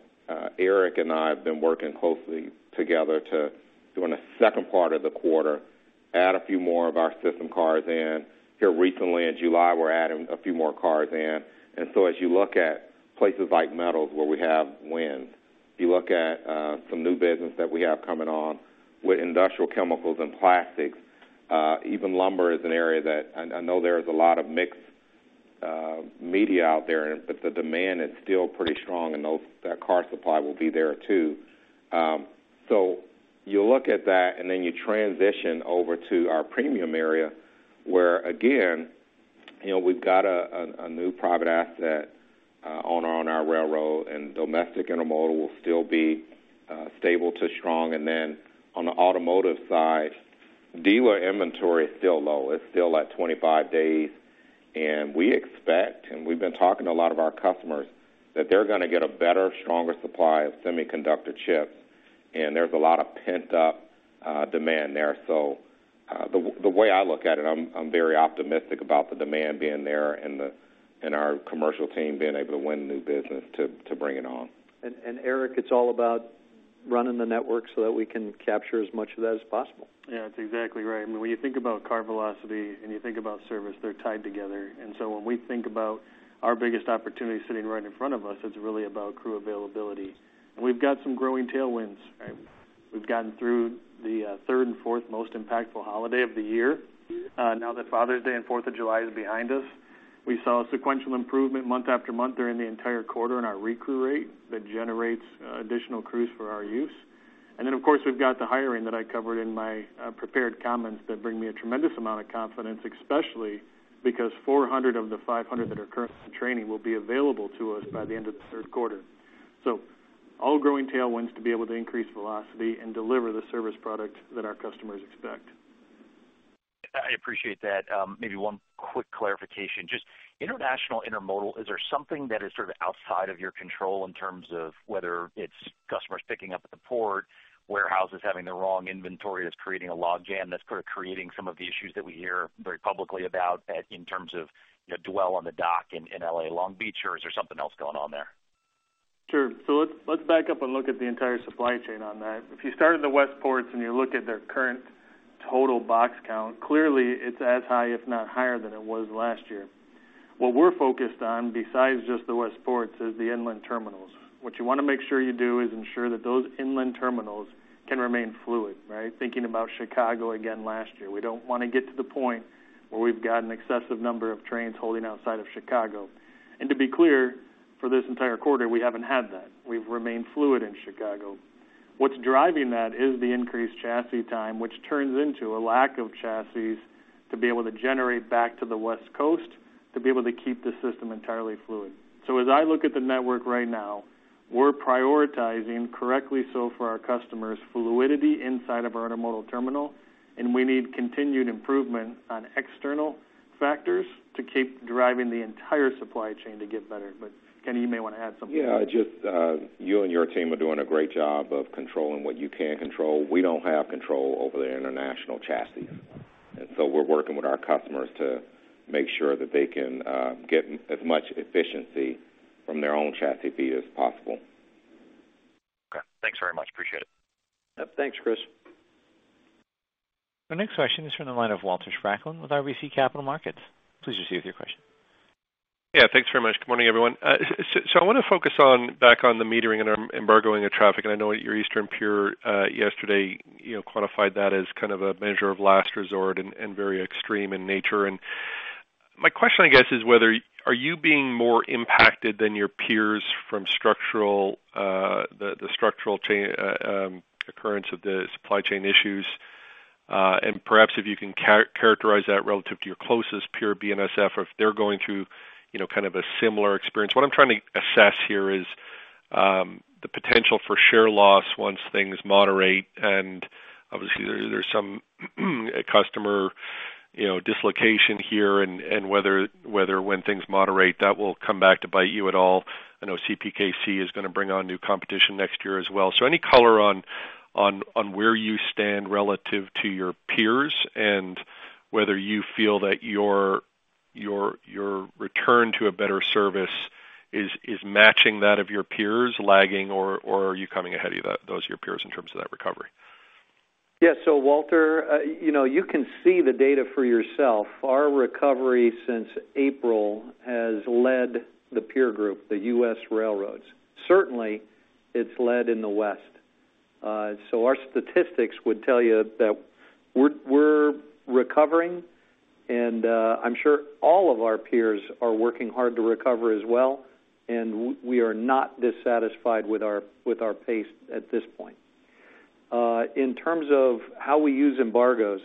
Eric and I have been working closely together to do in a second part of the quarter, add a few more of our system cars in. Here recently in July, we're adding a few more cars in. As you look at places like metals where we have wins, you look at some new business that we have coming on with industrial chemicals and plastics, even lumber is an area that I know there is a lot of mixed media out there, but the demand is still pretty strong, and that car supply will be there too. You look at that and then you transition over to our premium area where again, you know, we've got a new private asset owner on our railroad and domestic intermodal will still be stable to strong. Then on the automotive side, dealer inventory is still low. It's still at 25 days. We expect, and we've been talking to a lot of our customers that they're gonna get a better, stronger supply of semiconductor chips, and there's a lot of pent-up demand there. The way I look at it, I'm very optimistic about the demand being there and our commercial team being able to win new business to bring it on. Eric, it's all about running the network so that we can capture as much of that as possible. Yeah, that's exactly right. I mean, when you think about car velocity and you think about service, they're tied together. When we think about our biggest opportunity sitting right in front of us, it's really about crew availability. We've got some growing tailwinds, right? We've gotten through the third and fourth most impactful holiday of the year. Now that Father's Day and Fourth of July is behind us, we saw a sequential improvement month after month during the entire quarter in our recrew rate that generates additional crews for our use. Of course, we've got the hiring that I covered in my prepared comments that bring me a tremendous amount of confidence, especially because 400 of the 500 that are currently in training will be available to us by the end of the third quarter. All growing tailwinds to be able to increase velocity and deliver the service product that our customers expect. I appreciate that. Maybe one quick clarification. Just international intermodal, is there something that is sort of outside of your control in terms of whether it's customers picking up at the port, warehouses having the wrong inventory that's creating a logjam that's sort of creating some of the issues that we hear very publicly about in terms of, you know, dwell on the dock in L.A. Long Beach, or is there something else going on there? Sure. Let's back up and look at the entire supply chain on that. If you start in the West Ports and you look at their current total box count, clearly it's as high, if not higher than it was last year. What we're focused on besides just the West Ports is the inland terminals. What you wanna make sure you do is ensure that those inland terminals can remain fluid, right? Thinking about Chicago again last year, we don't wanna get to the point where we've got an excessive number of trains holding outside of Chicago. To be clear, for this entire quarter, we haven't had that. We've remained fluid in Chicago. What's driving that is the increased chassis time, which turns into a lack of chassis to be able to generate back to the West Coast, to be able to keep the system entirely fluid. As I look at the network right now, we're prioritizing correctly so for our customers, fluidity inside of our intermodal terminal, and we need continued improvement on external factors to keep driving the entire supply chain to get better. Kenny, you may wanna add something. Yeah. Just, you and your team are doing a great job of controlling what you can control. We don't have control over the international chassis, and so we're working with our customers to make sure that they can get as much efficiency from their own chassis fleet as possible. Okay. Thanks very much. Appreciate it. Yep. Thanks, Chris. Our next question is from the line of Walter Spracklin with RBC Capital Markets. Please proceed with your question. Yeah, thanks very much. Good morning, everyone. I wanna focus back on the metering and embargoing of traffic. I know at your eastern peer yesterday, you know, quantified that as kind of a measure of last resort and very extreme in nature. My question, I guess, is whether you are being more impacted than your peers from the structural occurrence of the supply chain issues. Perhaps if you can characterize that relative to your closest peer, BNSF, if they're going through, you know, kind of a similar experience. What I'm trying to assess here is the potential for share loss once things moderate, and obviously there's some customer, you know, dislocation here and whether when things moderate, that will come back to bite you at all. I know CPKC is gonna bring on new competition next year as well. Any color on where you stand relative to your peers and whether you feel that your return to a better service is matching that of your peers lagging or are you coming ahead of those of your peers in terms of that recovery? Walter, you know, you can see the data for yourself. Our recovery since April has led the peer group, the U.S. railroads. Certainly, it's led in the West. Our statistics would tell you that we're recovering, and I'm sure all of our peers are working hard to recover as well, and we are not dissatisfied with our pace at this point. In terms of how we use embargoes,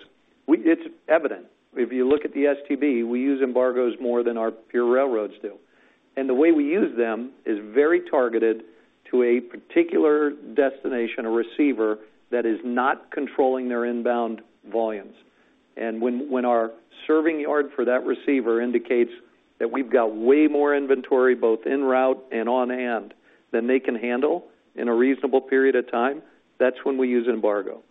it's evident. If you look at the STB, we use embargoes more than our peer railroads do. The way we use them is very targeted to a particular destination or receiver that is not controlling their inbound volumes. When our serving yard for that receiver indicates that we've got way more inventory, both en route and on hand, than they can handle in a reasonable period of time, that's when we use embargo.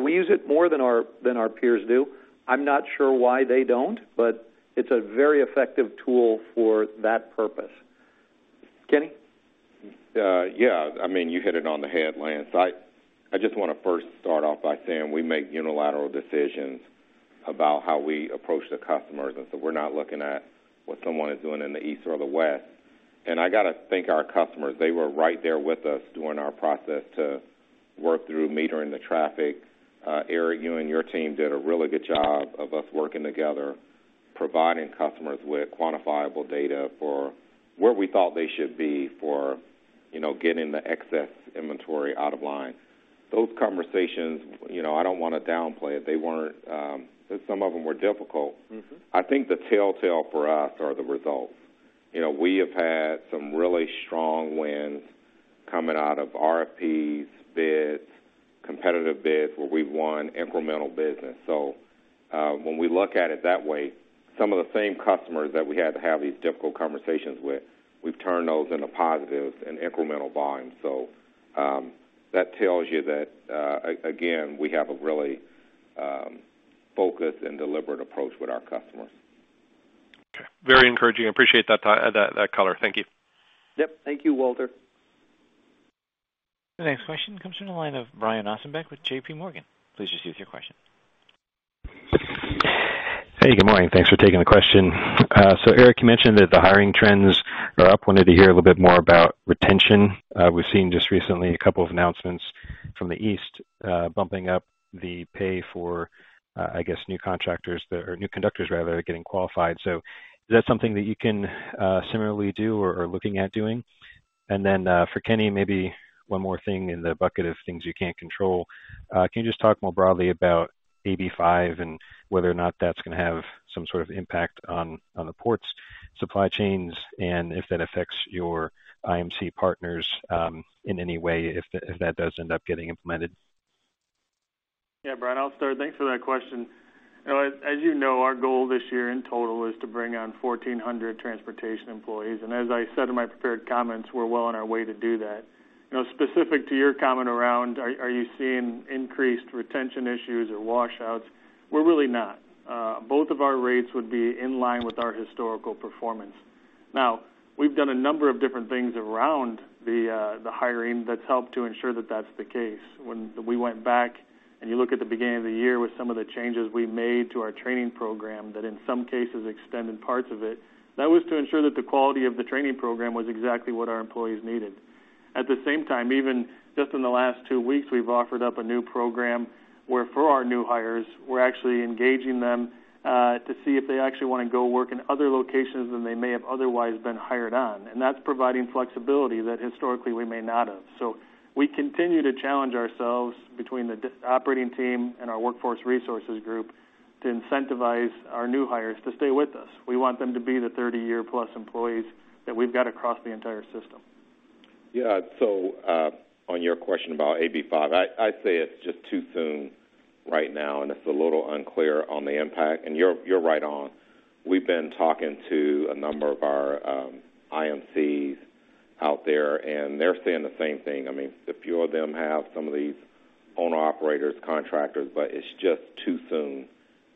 We use it more than our peers do. I'm not sure why they don't, but it's a very effective tool for that purpose. Kenny? Yeah, I mean, you hit it on the head, Lance. I just wanna first start off by saying we make unilateral decisions about how we approach the customers. We're not looking at what someone is doing in the east or the west. I gotta thank our customers. They were right there with us during our process to work through metering the traffic. Eric, you and your team did a really good job of us working together, providing customers with quantifiable data for where we thought they should be for, you know, getting the excess inventory out of line. Those conversations, you know, I don't wanna downplay it. They weren't, some of them were difficult. Mm-hmm. I think the telltale for us are the results. You know, we have had some really strong wins coming out of RFPs, bids, competitive bids where we've won incremental business. When we look at it that way, some of the same customers that we had to have these difficult conversations with, we've turned those into positives and incremental volume. That tells you that again, we have a really focused and deliberate approach with our customers. Okay. Very encouraging. Appreciate that color. Thank you. Yep. Thank you, Walter. The next question comes from the line of Brian Ossenbeck with JPMorgan. Please just give your question. Hey, good morning. Thanks for taking the question. So Eric, you mentioned that the hiring trends are up. Wanted to hear a little bit more about retention. We've seen just recently a couple of announcements from the east, bumping up the pay for, I guess, new contractors or new conductors rather, getting qualified. So is that something that you can similarly do or are looking at doing? And then, for Kenny, maybe one more thing in the bucket of things you can't control. Can you just talk more broadly about AB 5 and whether or not that's gonna have some sort of impact on the port's supply chains, and if that affects your IMC partners in any way, if that does end up getting implemented? Yeah, Brian, I'll start. Thanks for that question. As you know, our goal this year in total is to bring on 1,400 transportation employees. As I said in my prepared comments, we're well on our way to do that. You know, specific to your comment around are you seeing increased retention issues or washouts, we're really not. Both of our rates would be in line with our historical performance. Now, we've done a number of different things around the hiring that's helped to ensure that that's the case. When we went back and you look at the beginning of the year with some of the changes we made to our training program that in some cases extended parts of it, that was to ensure that the quality of the training program was exactly what our employees needed. At the same time, even just in the last two weeks, we've offered up a new program where for our new hires, we're actually engaging them to see if they actually wanna go work in other locations than they may have otherwise been hired on. That's providing flexibility that historically we may not have. We continue to challenge ourselves between the operating team and our workforce resources group to incentivize our new hires to stay with us. We want them to be the 30-year plus employees that we've got across the entire system. Yeah. On your question about AB 5, I say it's just too soon right now, and it's a little unclear on the impact. You're right on. We've been talking to a number of our IMCs out there, and they're saying the same thing. I mean, a few of them have some of these owner-operators, contractors, but it's just too soon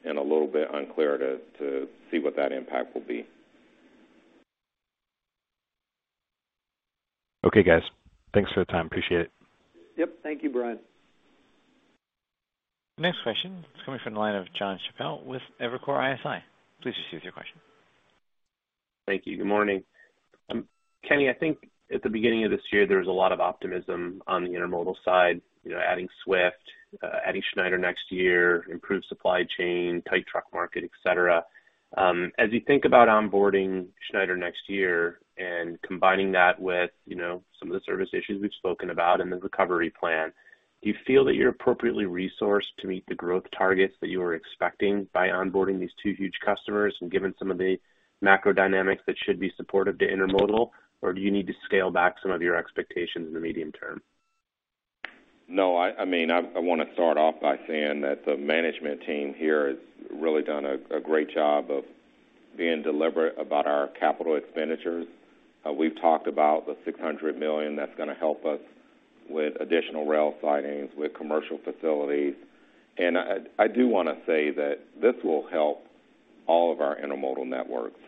and a little bit unclear to see what that impact will be. Okay, guys. Thanks for the time. Appreciate it. Yep. Thank you, Brian. Next question is coming from the line of Jon Chappell with Evercore ISI. Please proceed with your question. Thank you. Good morning. Kenny, I think at the beginning of this year, there was a lot of optimism on the intermodal side, you know, adding Swift, adding Schneider next year, improved supply chain, tight truck market, et cetera. As you think about onboarding Schneider next year and combining that with, you know, some of the service issues we've spoken about and the recovery plan, do you feel that you're appropriately resourced to meet the growth targets that you are expecting by onboarding these two huge customers and given some of the macro dynamics that should be supportive to intermodal? Or do you need to scale back some of your expectations in the medium term? No, I mean, I wanna start off by saying that the management team here has really done a great job of being deliberate about our capital expenditures. We've talked about the $600 million that's gonna help us with additional rail sidings, with commercial facilities. I do wanna say that this will help all of our intermodal networks.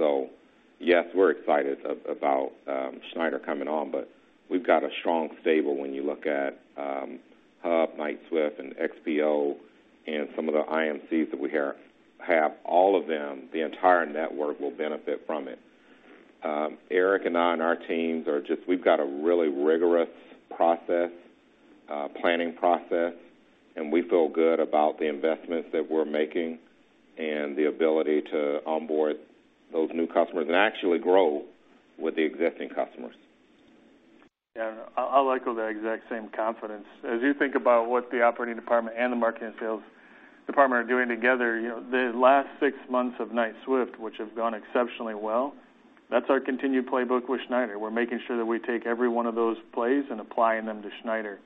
Yes, we're excited about Schneider coming on, but we've got a strong stable when you look at Hub, Knight-Swift and XPO and some of the IMCs that we have, all of them, the entire network will benefit from it. Eric and I and our teams, we've got a really rigorous process, planning process, and we feel good about the investments that we're making and the ability to onboard those new customers and actually grow with the existing customers. Yeah. I'll echo that exact same confidence. As you think about what the operating department and the marketing sales department are doing together, you know, the last six months of Knight-Swift, which have gone exceptionally well, that's our continued playbook with Schneider. We're making sure that we take every one of those plays and applying them to Schneider.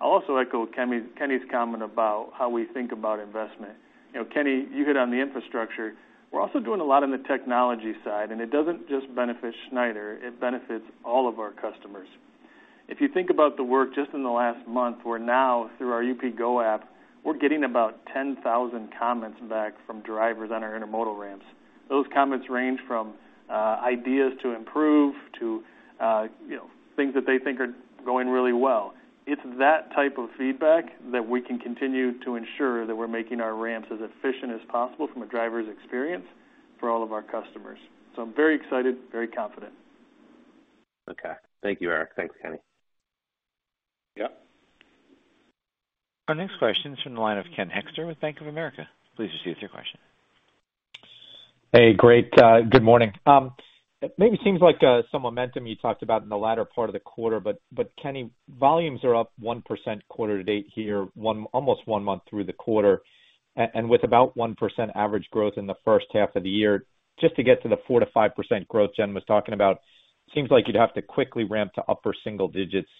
I'll also echo Kenny's comment about how we think about investment. You know, Kenny, you hit on the infrastructure. We're also doing a lot on the technology side, and it doesn't just benefit Schneider, it benefits all of our customers. If you think about the work just in the last month, we're now through our UPGo app, we're getting about 10,000 comments back from drivers on our intermodal ramps. Those comments range from ideas to improve to, you know, things that they think are going really well. It's that type of feedback that we can continue to ensure that we're making our ramps as efficient as possible from a driver's experience for all of our customers. I'm very excited, very confident. Okay. Thank you, Eric. Thanks, Kenny. Yep. Our next question is from the line of Ken Hoexter with Bank of America. Please proceed with your question. Hey, great, good morning. It maybe seems like some momentum you talked about in the latter part of the quarter, but Kenny, volumes are up 1% quarter-to-date here, almost one month through the quarter. And with about 1% average growth in the first half of the year, just to get to the 4%-5% growth Jen was talking about, seems like you'd have to quickly ramp to upper single digits,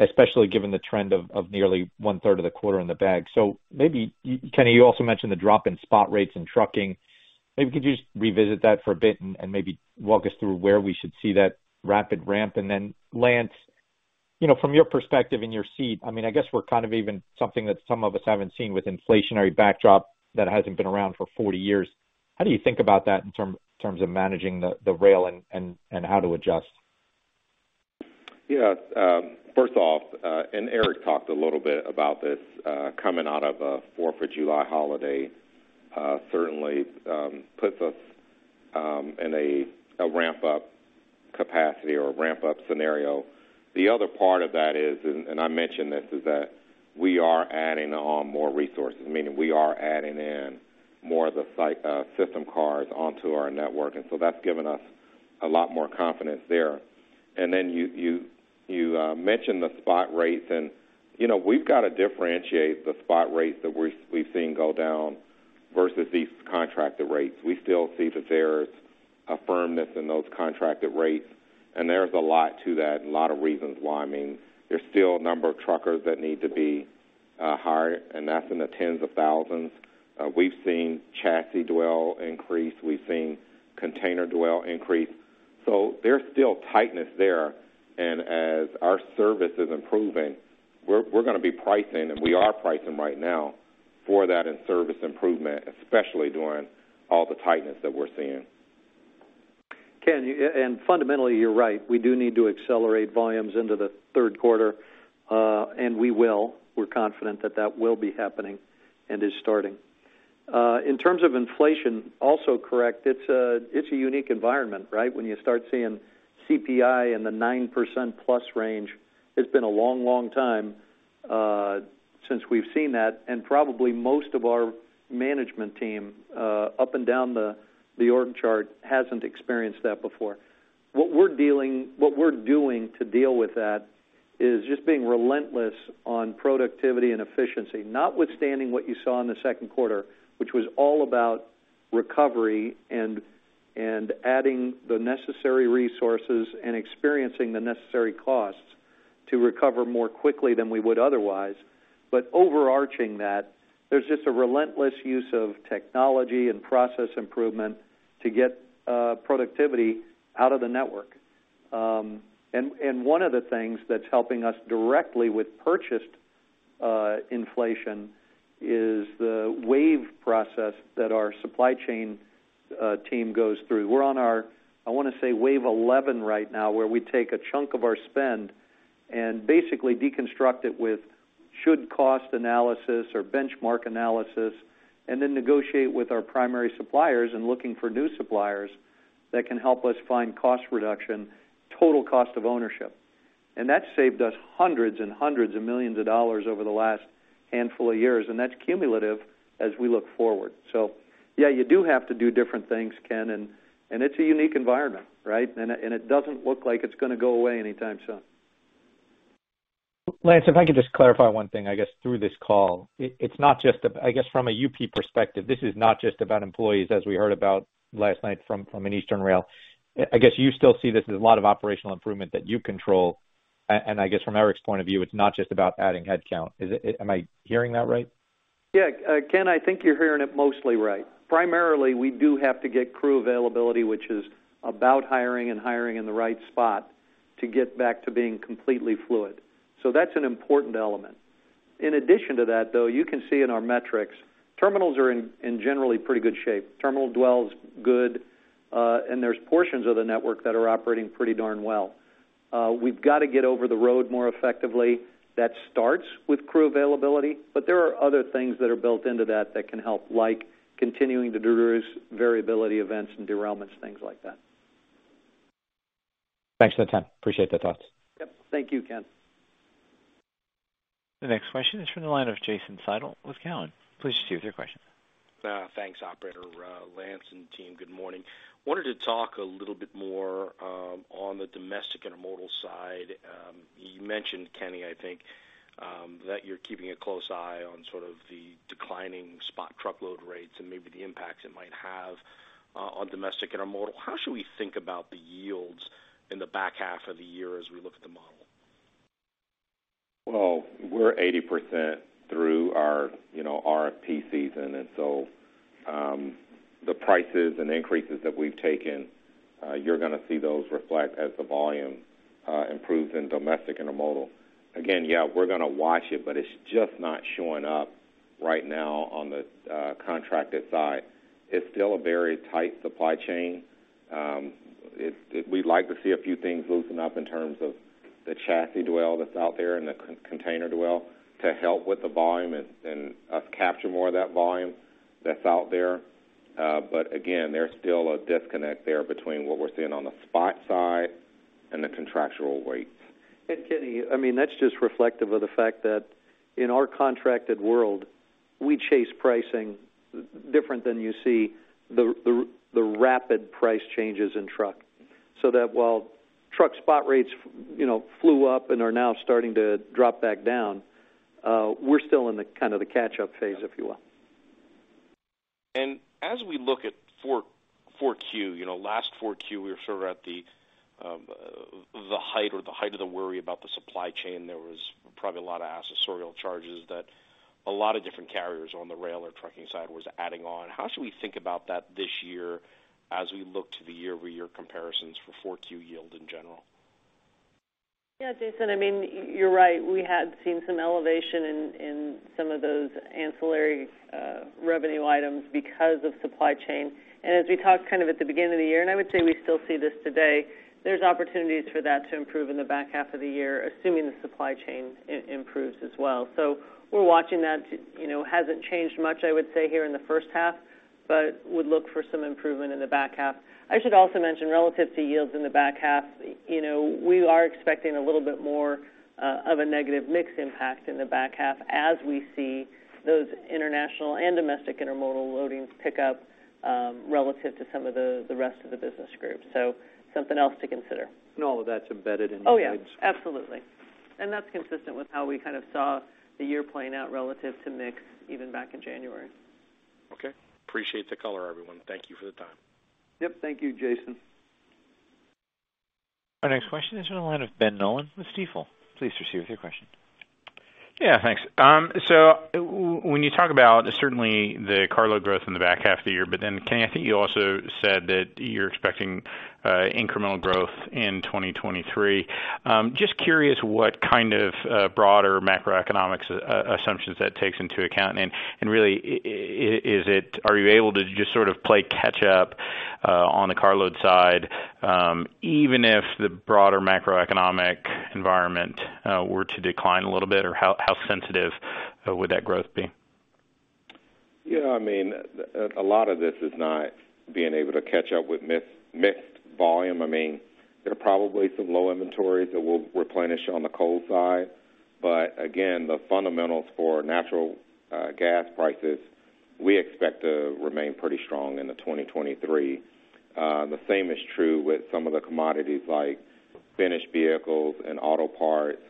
especially given the trend of nearly one-third of the quarter in the bag. Maybe, Kenny, you also mentioned the drop in spot rates in trucking. Maybe could you just revisit that for a bit and maybe walk us through where we should see that rapid ramp? Lance, you know, from your perspective in your seat, I mean, I guess we're kind of even something that some of us haven't seen with inflationary backdrop that hasn't been around for 40 years. How do you think about that in terms of managing the rail and how to adjust? Yes. First off, Eric talked a little bit about this, coming out of a Fourth of July holiday, certainly puts us in a ramp up capacity or a ramp up scenario. The other part of that is, and I mentioned this, is that we are adding on more resources, meaning we are adding in more of the system cars onto our network, and so that's given us a lot more confidence there. Then you mentioned the spot rates, and you know, we've got to differentiate the spot rates that we've seen go down versus these contracted rates. We still see that there's a firmness in those contracted rates, and there's a lot to that and a lot of reasons why. I mean, there's still a number of truckers that need to be hired, and that's in the tens of thousands. We've seen chassis dwell increase. We've seen container dwell increase. There's still tightness there, and as our service is improving, we're gonna be pricing, and we are pricing right now for that in service improvement, especially during all the tightness that we're seeing. Ken, and fundamentally, you're right. We do need to accelerate volumes into the third quarter, and we will. We're confident that that will be happening and is starting. In terms of inflation, also correct. It's a unique environment, right? When you start seeing CPI in the 9%+ range, it's been a long, long time since we've seen that, and probably most of our management team up and down the org chart hasn't experienced that before. What we're doing to deal with that is just being relentless on productivity and efficiency, notwithstanding what you saw in the second quarter, which was all about recovery and adding the necessary resources and experiencing the necessary costs to recover more quickly than we would otherwise. Overarching that, there's just a relentless use of technology and process improvement to get productivity out of the network. One of the things that's helping us directly with purchased inflation is the wave picking that our supply chain team goes through. We're on our, I wanna say wave 11 right now, where we take a chunk of our spend and basically deconstruct it with should-cost analysis or benchmark analysis, and then negotiate with our primary suppliers and looking for new suppliers that can help us find cost reduction, total cost of ownership. That's saved us hundreds and hundreds of millions of dollars over the last handful of years, and that's cumulative as we look forward. Yeah, you do have to do different things, Ken, and it's a unique environment, right? It doesn't look like it's gonna go away anytime soon. Lance, if I could just clarify one thing, I guess, through this call. It's not just, I guess, from a UP perspective, this is not just about employees as we heard about last night from an Eastern rail. I guess you still see this as a lot of operational improvement that you control. And I guess from Eric's point of view, it's not just about adding headcount. Is it? Am I hearing that right? Yeah. Ken, I think you're hearing it mostly right. Primarily, we do have to get crew availability, which is about hiring and hiring in the right spot to get back to being completely fluid. That's an important element. In addition to that, though, you can see in our metrics, terminals are in generally pretty good shape. Terminal dwell is good, and there's portions of the network that are operating pretty darn well. We've got to get over the road more effectively. That starts with crew availability, but there are other things that are built into that that can help, like continuing to reduce variability events and derailments, things like that. Thanks for the time. Appreciate the thoughts. Yep. Thank you, Ken. The next question is from the line of Jason Seidl with Cowen. Please proceed with your question. Thanks, operator. Lance and team, good morning. Wanted to talk a little bit more on the domestic intermodal side. You mentioned, Kenny, I think, that you're keeping a close eye on sort of the declining spot truckload rates and maybe the impacts it might have on domestic intermodal. How should we think about the yields in the back half of the year as we look at the model? Well, we're 80% through our, you know, RFP season. The prices and increases that we've taken, you're gonna see those reflect as the volume improves in domestic intermodal. Again, yeah, we're gonna watch it, but it's just not showing up right now on the contracted side. It's still a very tight supply chain. We'd like to see a few things loosen up in terms of the chassis dwell that's out there and the container dwell to help with the volume and us capture more of that volume that's out there. But again, there's still a disconnect there between what we're seeing on the spot side and the contractual rates. Kenny, I mean, that's just reflective of the fact that in our contracted world, we chase pricing different than you see the rapid price changes in truck, so that while truck spot rates, you know, flew up and are now starting to drop back down, we're still in the kind of catch-up phase, if you will. As we look at Q4, you know, last 4Q, we were sort of at the height of the worry about the supply chain. There was probably a lot of accessorial charges that a lot of different carriers on the rail or trucking side was adding on. How should we think about that this year as we look to the year-over-year comparisons for 4Q yield in general? Yeah, Jason, I mean, you're right. We had seen some elevation in some of those ancillary revenue items because of supply chain. As we talked kind of at the beginning of the year, and I would say we still see this today, there's opportunities for that to improve in the back half of the year, assuming the supply chain improves as well. We're watching that too, you know, hasn't changed much, I would say, here in the first half, but would look for some improvement in the back half. I should also mention relative to yields in the back half, you know, we are expecting a little bit more of a negative mix impact in the back half as we see those international and domestic intermodal loadings pick up, relative to some of the rest of the business groups. Something else to consider. All of that's embedded in the guides? Oh, yeah. Absolutely. That's consistent with how we kind of saw the year playing out relative to mix even back in January. Okay. Appreciate the color, everyone. Thank you for the time. Yep. Thank you, Jason. Our next question is from the line of Ben Nolan with Stifel. Please proceed with your question. Yeah, thanks. When you talk about certainly the carload growth in the back half of the year, but then, Kenny, I think you also said that you're expecting incremental growth in 2023. Just curious what kind of broader macroeconomic assumptions that takes into account. Really, is it are you able to just sort of play catch up on the carload side even if the broader macroeconomic environment were to decline a little bit? How sensitive would that growth be? Yeah, I mean, a lot of this is not being able to catch up with missed volume. I mean, there are probably some low inventories that we'll replenish on the coal side. Again, the fundamentals for natural gas prices, we expect to remain pretty strong into 2023. The same is true with some of the commodities like finished vehicles and auto parts.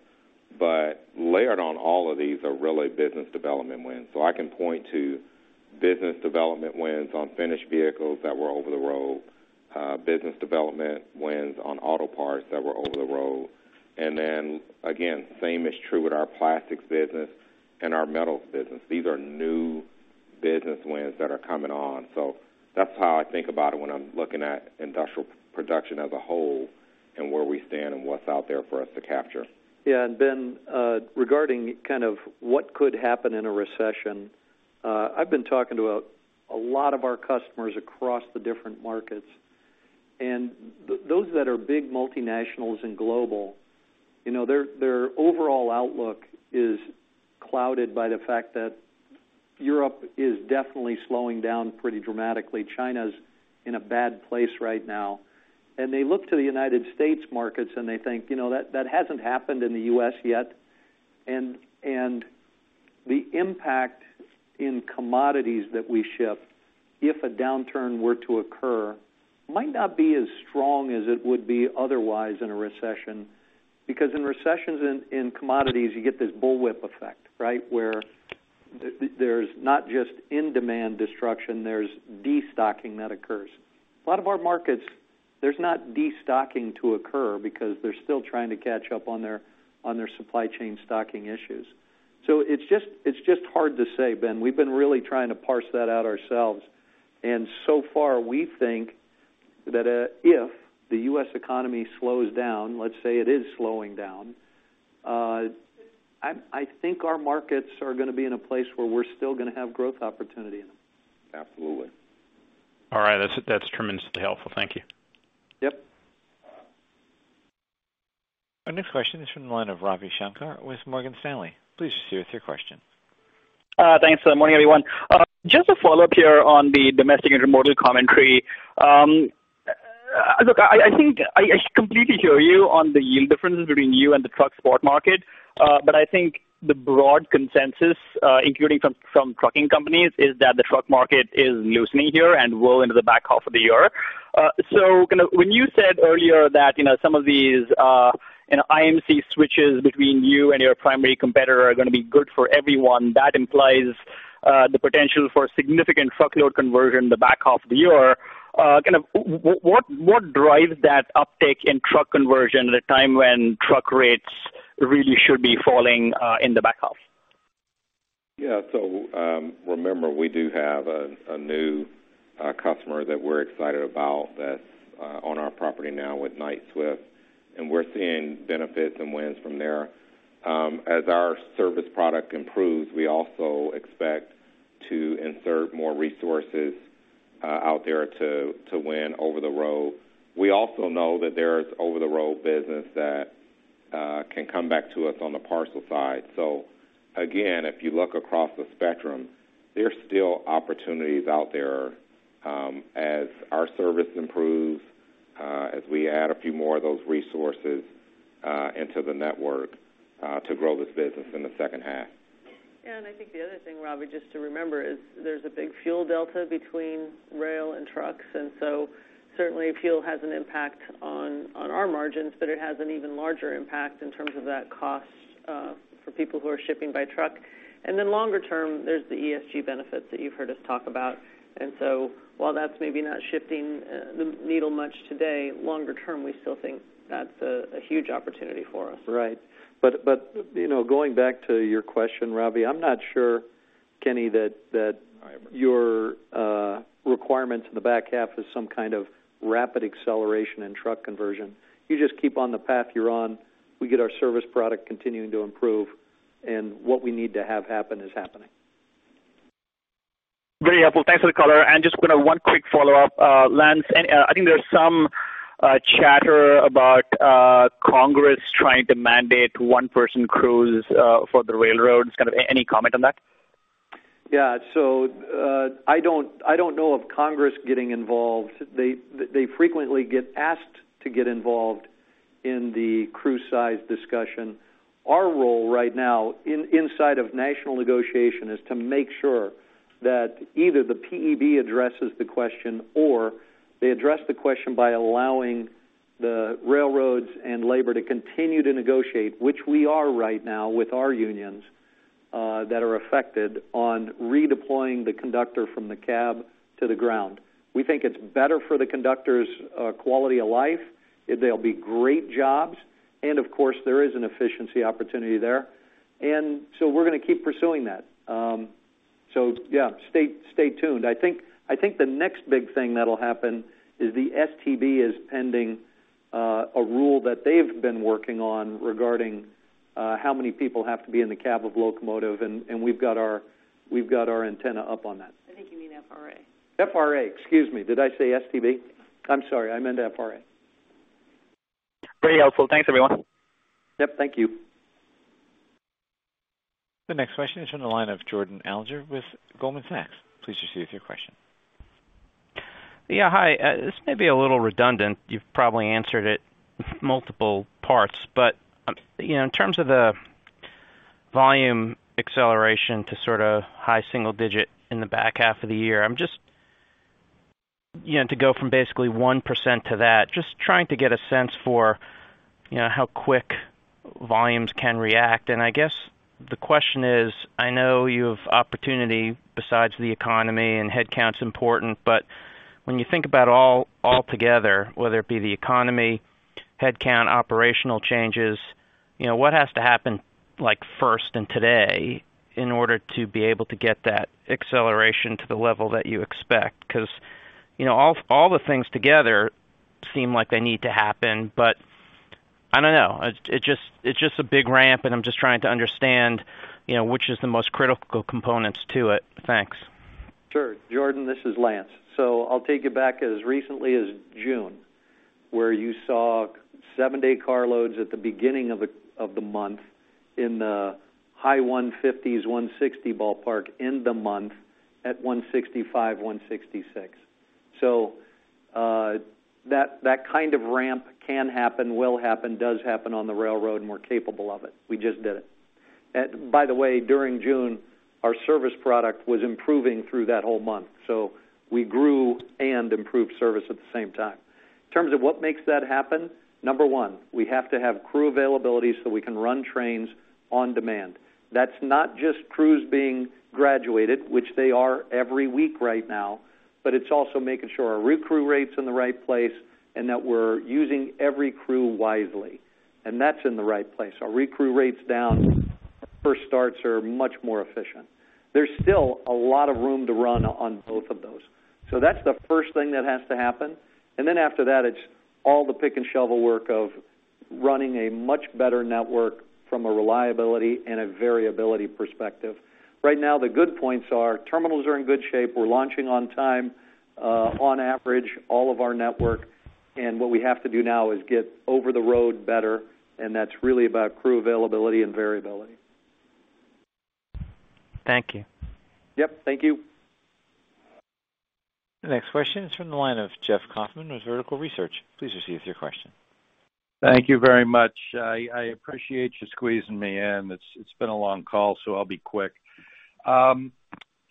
Layered on all of these are really business development wins. I can point to business development wins on finished vehicles that were over the road, business development wins on auto parts that were over the road. Again, same is true with our plastics business and our metals business. These are new business wins that are coming on. That's how I think about it when I'm looking at industrial production as a whole and where we stand and what's out there for us to capture. Yeah. Ben, regarding kind of what could happen in a recession, I've been talking to a lot of our customers across the different markets, and those that are big multinationals and global, you know, their overall outlook is clouded by the fact that Europe is definitely slowing down pretty dramatically. China's in a bad place right now. They look to the United States markets and they think, you know, that hasn't happened in the U.S. yet. The impact in commodities that we ship, if a downturn were to occur, might not be as strong as it would be otherwise in a recession. Because in recessions in commodities, you get this bullwhip effect, right? Where there's not just demand destruction, there's destocking that occurs. A lot of our markets, there's not destocking to occur because they're still trying to catch up on their supply chain stocking issues. It's just hard to say, Ben. We've been really trying to parse that out ourselves. So far, we think that if the U.S. economy slows down, let's say it is slowing down, I think our markets are gonna be in a place where we're still gonna have growth opportunity in them. Absolutely. All right. That's tremendously helpful. Thank you. Yep. Our next question is from the line of Ravi Shanker with Morgan Stanley. Please proceed with your question. Thanks. Good morning, everyone. Just a follow-up here on the domestic intermodal commentary. Look, I think I completely hear you on the yield difference between you and the truck spot market. But I think the broad consensus, including from trucking companies, is that the truck market is loosening here and will into the back half of the year. So kinda when you said earlier that, you know, some of these, you know, IMC switches between you and your primary competitor are gonna be good for everyone, that implies the potential for significant truckload conversion in the back half of the year. Kind of what drives that uptake in truck conversion at a time when truck rates really should be falling in the back half? Yeah. Remember, we do have a new customer that we're excited about that's on our property now with Knight-Swift, and we're seeing benefits and wins from there. As our service product improves, we also expect to insert more resources out there to win over the road. We also know that there is over the road business that can come back to us on the parcel side. Again, if you look across the spectrum, there are still opportunities out there, as our service improves, as we add a few more of those resources into the network, to grow this business in the second half. Yeah. I think the other thing, Ravi, just to remember is there's a big fuel delta between rail and trucks, and so certainly fuel has an impact on our margins, but it has an even larger impact in terms of that cost for people who are shipping by truck. Then longer term, there's the ESG benefits that you've heard us talk about. While that's maybe not shifting the needle much today, longer term, we still think that's a huge opportunity for us. Right. You know, going back to your question, Ravi, I'm not sure, Kenny, that your requirements in the back half is some kind of rapid acceleration in truck conversion. You just keep on the path you're on. We get our service product continuing to improve, and what we need to have happen is happening. Very helpful. Thanks for the color. Just kind of one quick follow-up. Lance, I think there's some chatter about Congress trying to mandate one person crews for the railroads. Kind of any comment on that? Yeah. I don't know of Congress getting involved. They frequently get asked to get involved in the crew size discussion. Our role right now inside of national negotiation is to make sure that either the PEB addresses the question or they address the question by allowing the railroads and labor to continue to negotiate, which we are right now with our unions that are affected on redeploying the conductor from the cab to the ground. We think it's better for the conductors quality of life, they'll be great jobs, and of course, there is an efficiency opportunity there. We're gonna keep pursuing that. Yeah, stay tuned. I think the next big thing that'll happen is the STB is pending a rule that they've been working on regarding how many people have to be in the cab of locomotive, and we've got our antenna up on that. I think you mean FRA. FRA, excuse me. Did I say STB? I'm sorry. I meant FRA. Very helpful. Thanks, everyone. Yep, thank you. The next question is from the line of Jordan Alliger with Goldman Sachs. Please proceed with your question. Yeah. Hi. This may be a little redundant. You've probably answered it multiple parts, but, you know, in terms of the volume acceleration to sort of high single digit in the back half of the year, I'm just, you know, to go from basically 1% to that, just trying to get a sense for, you know, how quick volumes can react. I guess the question is, I know you have opportunity besides the economy and headcount's important, but when you think about all altogether, whether it be the economy, headcount, operational changes, you know, what has to happen like first and today in order to be able to get that acceleration to the level that you expect? Because, you know, all the things together seem like they need to happen. I don't know. It's just a big ramp, and I'm just trying to understand, you know, which is the most critical components to it. Thanks. Sure. Jordan, this is Lance. I'll take you back as recently as June, where you saw seven-day car loads at the beginning of the month in the high 150s, 160 ballpark, end the month at 165, 166. That kind of ramp can happen, will happen, does happen on the railroad, and we're capable of it. We just did it. By the way, during June, our service product was improving through that whole month, so we grew and improved service at the same time. In terms of what makes that happen, number one, we have to have crew availability so we can run trains on demand. That's not just crews being graduated, which they are every week right now, but it's also making sure our recrew rate's in the right place and that we're using every crew wisely, and that's in the right place. Our recrew rate's down. Our first starts are much more efficient. There's still a lot of room to run on both of those. That's the first thing that has to happen. Then after that, it's all the pick and shovel work of running a much better network from a reliability and a variability perspective. Right now, the good points are terminals are in good shape. We're launching on time, on average, all of our network. What we have to do now is get over the road better, and that's really about crew availability and variability. Thank you. Yep, thank you. The next question is from the line of Jeff Kauffman with Vertical Research. Please proceed with your question. Thank you very much. I appreciate you squeezing me in. It's been a long call, so I'll be quick.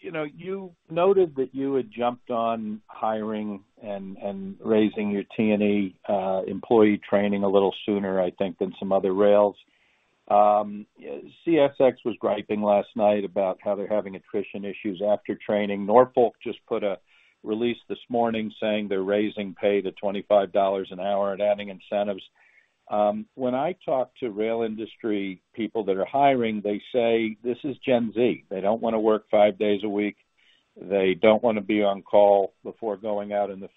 You know, you noted that you had jumped on hiring and raising your T&E employee training a little sooner, I think, than some other rails. CSX was griping last night about how they're having attrition issues after training. Norfolk Southern just put a release this morning saying they're raising pay to $25 an hour and adding incentives. When I talk to rail industry people that are hiring, they say this is Gen Z. They don't wanna work five days a week. They don't wanna be on call before going out in the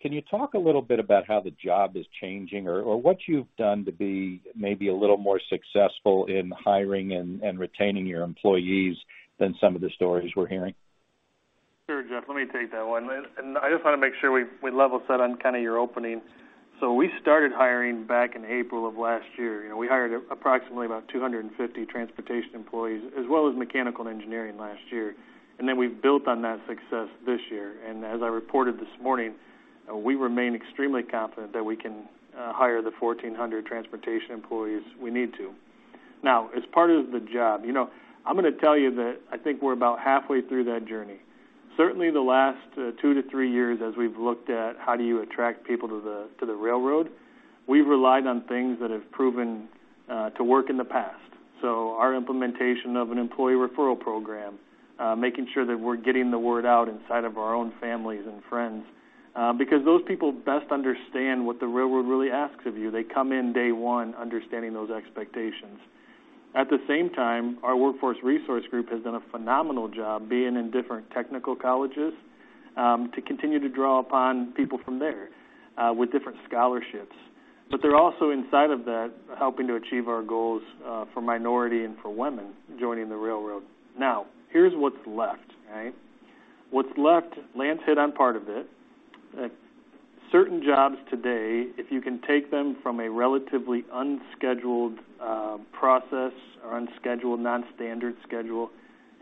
field. Can you talk a little bit about how the job is changing or what you've done to be maybe a little more successful in hiring and retaining your employees than some of the stories we're hearing? Sure, Jeff, let me take that one. I just wanna make sure we level set on kinda your opening. We started hiring back in April of last year. You know, we hired approximately about 250 transportation employees as well as mechanical engineering last year. We've built on that success this year. As I reported this morning, we remain extremely confident that we can hire the 1,400 transportation employees we need to. Now, as part of the job, you know, I'm gonna tell you that I think we're about halfway through that journey. Certainly, the last two to three years, as we've looked at how do you attract people to the railroad, we've relied on things that have proven to work in the past. Our implementation of an employee referral program, making sure that we're getting the word out inside of our own families and friends, because those people best understand what the railroad really asks of you. They come in day one understanding those expectations. At the same time, our workforce resource group has done a phenomenal job being in different technical colleges, to continue to draw upon people from there, with different scholarships. They're also inside of that, helping to achieve our goals, for minority and for women joining the railroad. Now, here's what's left, right? What's left, Lance hit on part of it. Certain jobs today, if you can take them from a relatively unscheduled, process or unscheduled non-standard schedule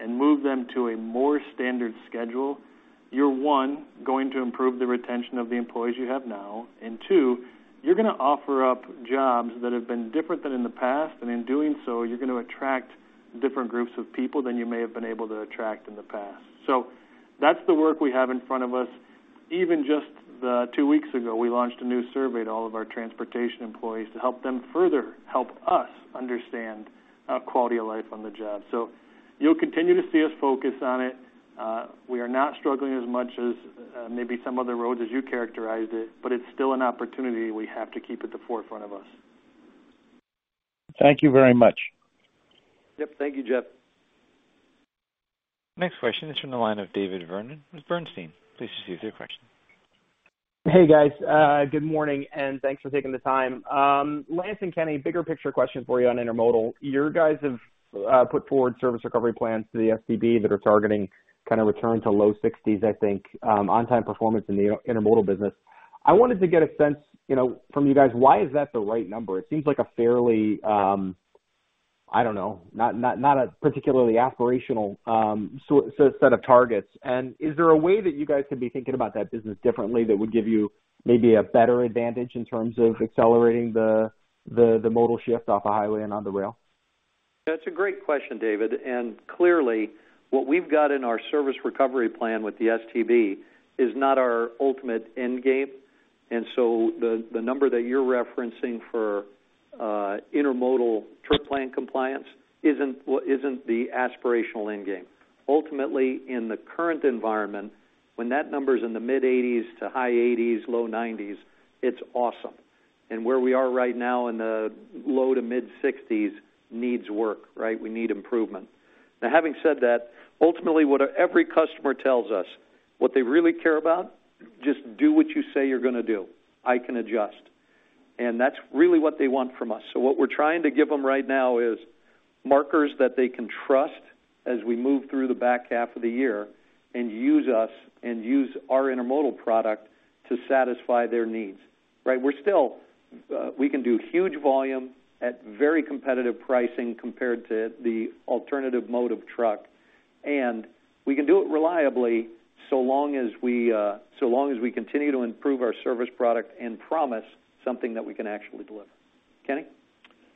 and move them to a more standard schedule, you're, one, going to improve the retention of the employees you have now, and two, you're gonna offer up jobs that have been different than in the past. In doing so, you're gonna attract different groups of people than you may have been able to attract in the past. That's the work we have in front of us. Even just two weeks ago, we launched a new survey to all of our transportation employees to help them further help us understand, quality of life on the job. You'll continue to see us focus on it. We are not struggling as much as maybe some other roads as you characterized it, but it's still an opportunity we have to keep at the forefront of us. Thank you very much. Yep. Thank you, Jeff. Next question is from the line of David Vernon with Bernstein. Please just use your question. Hey, guys. Good morning, and thanks for taking the time. Lance and Kenny, bigger picture question for you on intermodal. You guys have put forward service recovery plans to the STB that are targeting kind of return to low 60s%, I think, on time performance in the intermodal business. I wanted to get a sense, you know, from you guys, why is that the right number? It seems like a fairly, I don't know, not a particularly aspirational, so it's a set of targets. Is there a way that you guys could be thinking about that business differently that would give you maybe a better advantage in terms of accelerating the modal shift off the highway and on the rail? That's a great question, David. Clearly, what we've got in our service recovery plan with the STB is not our ultimate end game. The number that you're referencing for intermodal trip plan compliance isn't the aspirational end game. Ultimately, in the current environment, when that number's in the mid-80s% to high 80s%, low 90s%, it's awesome. Where we are right now in the low to mid-60s% needs work, right? We need improvement. Now, having said that, ultimately, what every customer tells us, what they really care about, just do what you say you're gonna do. I can adjust. That's really what they want from us. What we're trying to give them right now is markers that they can trust as we move through the back half of the year and use us and use our intermodal product to satisfy their needs. Right? We can do huge volume at very competitive pricing compared to the alternative mode of truck, and we can do it reliably so long as we continue to improve our service product and promise something that we can actually deliver. Kenny?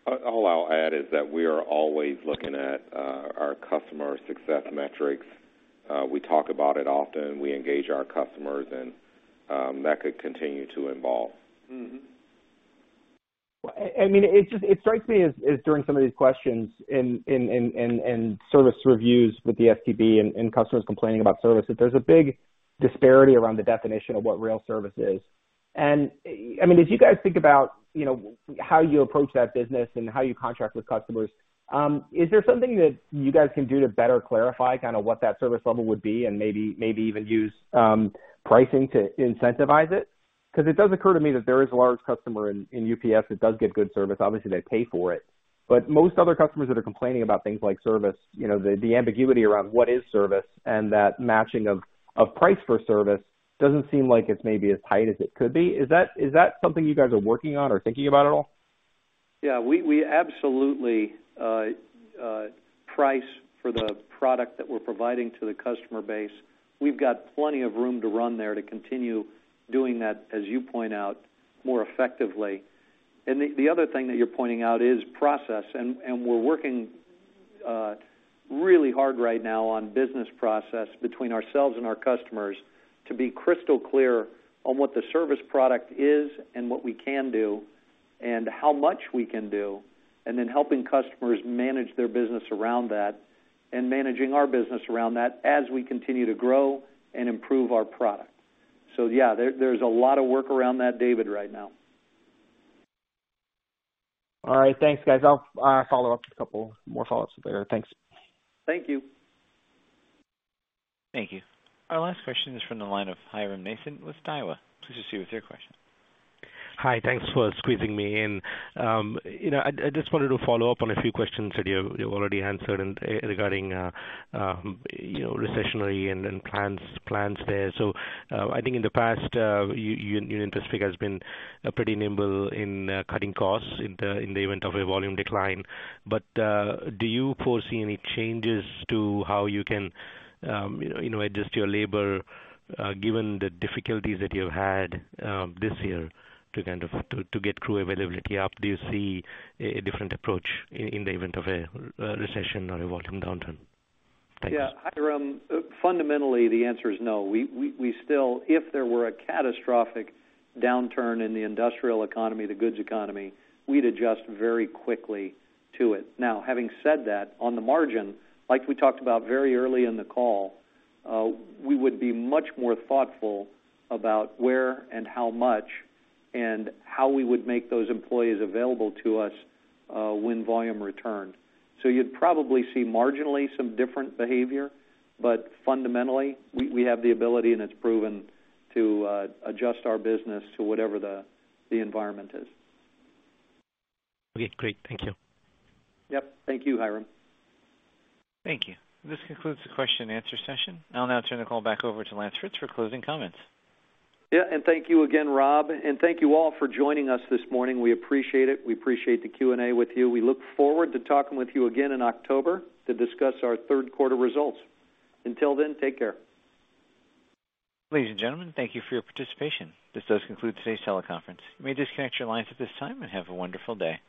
All I'll add is that we are always looking at our customer success metrics. We talk about it often. We engage our customers, and that could continue to evolve. Mm-hmm. I mean, it just strikes me as during some of these questions in service reviews with the STB and customers complaining about service, that there's a big disparity around the definition of what rail service is. I mean, as you guys think about, you know, how you approach that business and how you contract with customers, is there something that you guys can do to better clarify kind of what that service level would be and maybe even use pricing to incentivize it? Because it does occur to me that there is a large customer in UPS that does get good service. Obviously, they pay for it. Most other customers that are complaining about things like service, you know, the ambiguity around what is service and that matching of price for service doesn't seem like it's maybe as tight as it could be. Is that something you guys are working on or thinking about at all? Yeah. We absolutely price for the product that we're providing to the customer base. We've got plenty of room to run there to continue doing that, as you point out, more effectively. The other thing that you're pointing out is process, and we're working really hard right now on business process between ourselves and our customers to be crystal clear on what the service product is and what we can do and how much we can do, and then helping customers manage their business around that and managing our business around that as we continue to grow and improve our product. Yeah, there's a lot of work around that, David, right now. All right. Thanks, guys. I'll follow up with a couple more follow-ups later. Thanks. Thank you. Thank you. Our last question is from the line of Jairam Nathan with Daiwa. Please proceed with your question. Hi. Thanks for squeezing me in. You know, I just wanted to follow up on a few questions that you already answered and regarding recessionary and plans there. I think in the past, Union Pacific has been pretty nimble in cutting costs in the event of a volume decline. Do you foresee any changes to how you can adjust your labor given the difficulties that you've had this year to get crew availability up? Do you see a different approach in the event of a recession or a volume downturn? Yeah. Jairam, fundamentally, the answer is no. We still. If there were a catastrophic downturn in the industrial economy, the goods economy, we'd adjust very quickly to it. Now, having said that, on the margin, like we talked about very early in the call, we would be much more thoughtful about where and how much and how we would make those employees available to us, when volume returned. You'd probably see marginally some different behavior, but fundamentally, we have the ability, and it's proven, to adjust our business to whatever the environment is. Okay, great. Thank you. Yep. Thank you, Jairam. Thank you. This concludes the question-and-answer session. I'll now turn the call back over to Lance Fritz for closing comments. Yeah. Thank you again, Rob, and thank you all for joining us this morning. We appreciate it. We appreciate the Q&A with you. We look forward to talking with you again in October to discuss our third quarter results. Until then, take care. Ladies and gentlemen, thank you for your participation. This does conclude today's teleconference. You may disconnect your lines at this time, and have a wonderful day.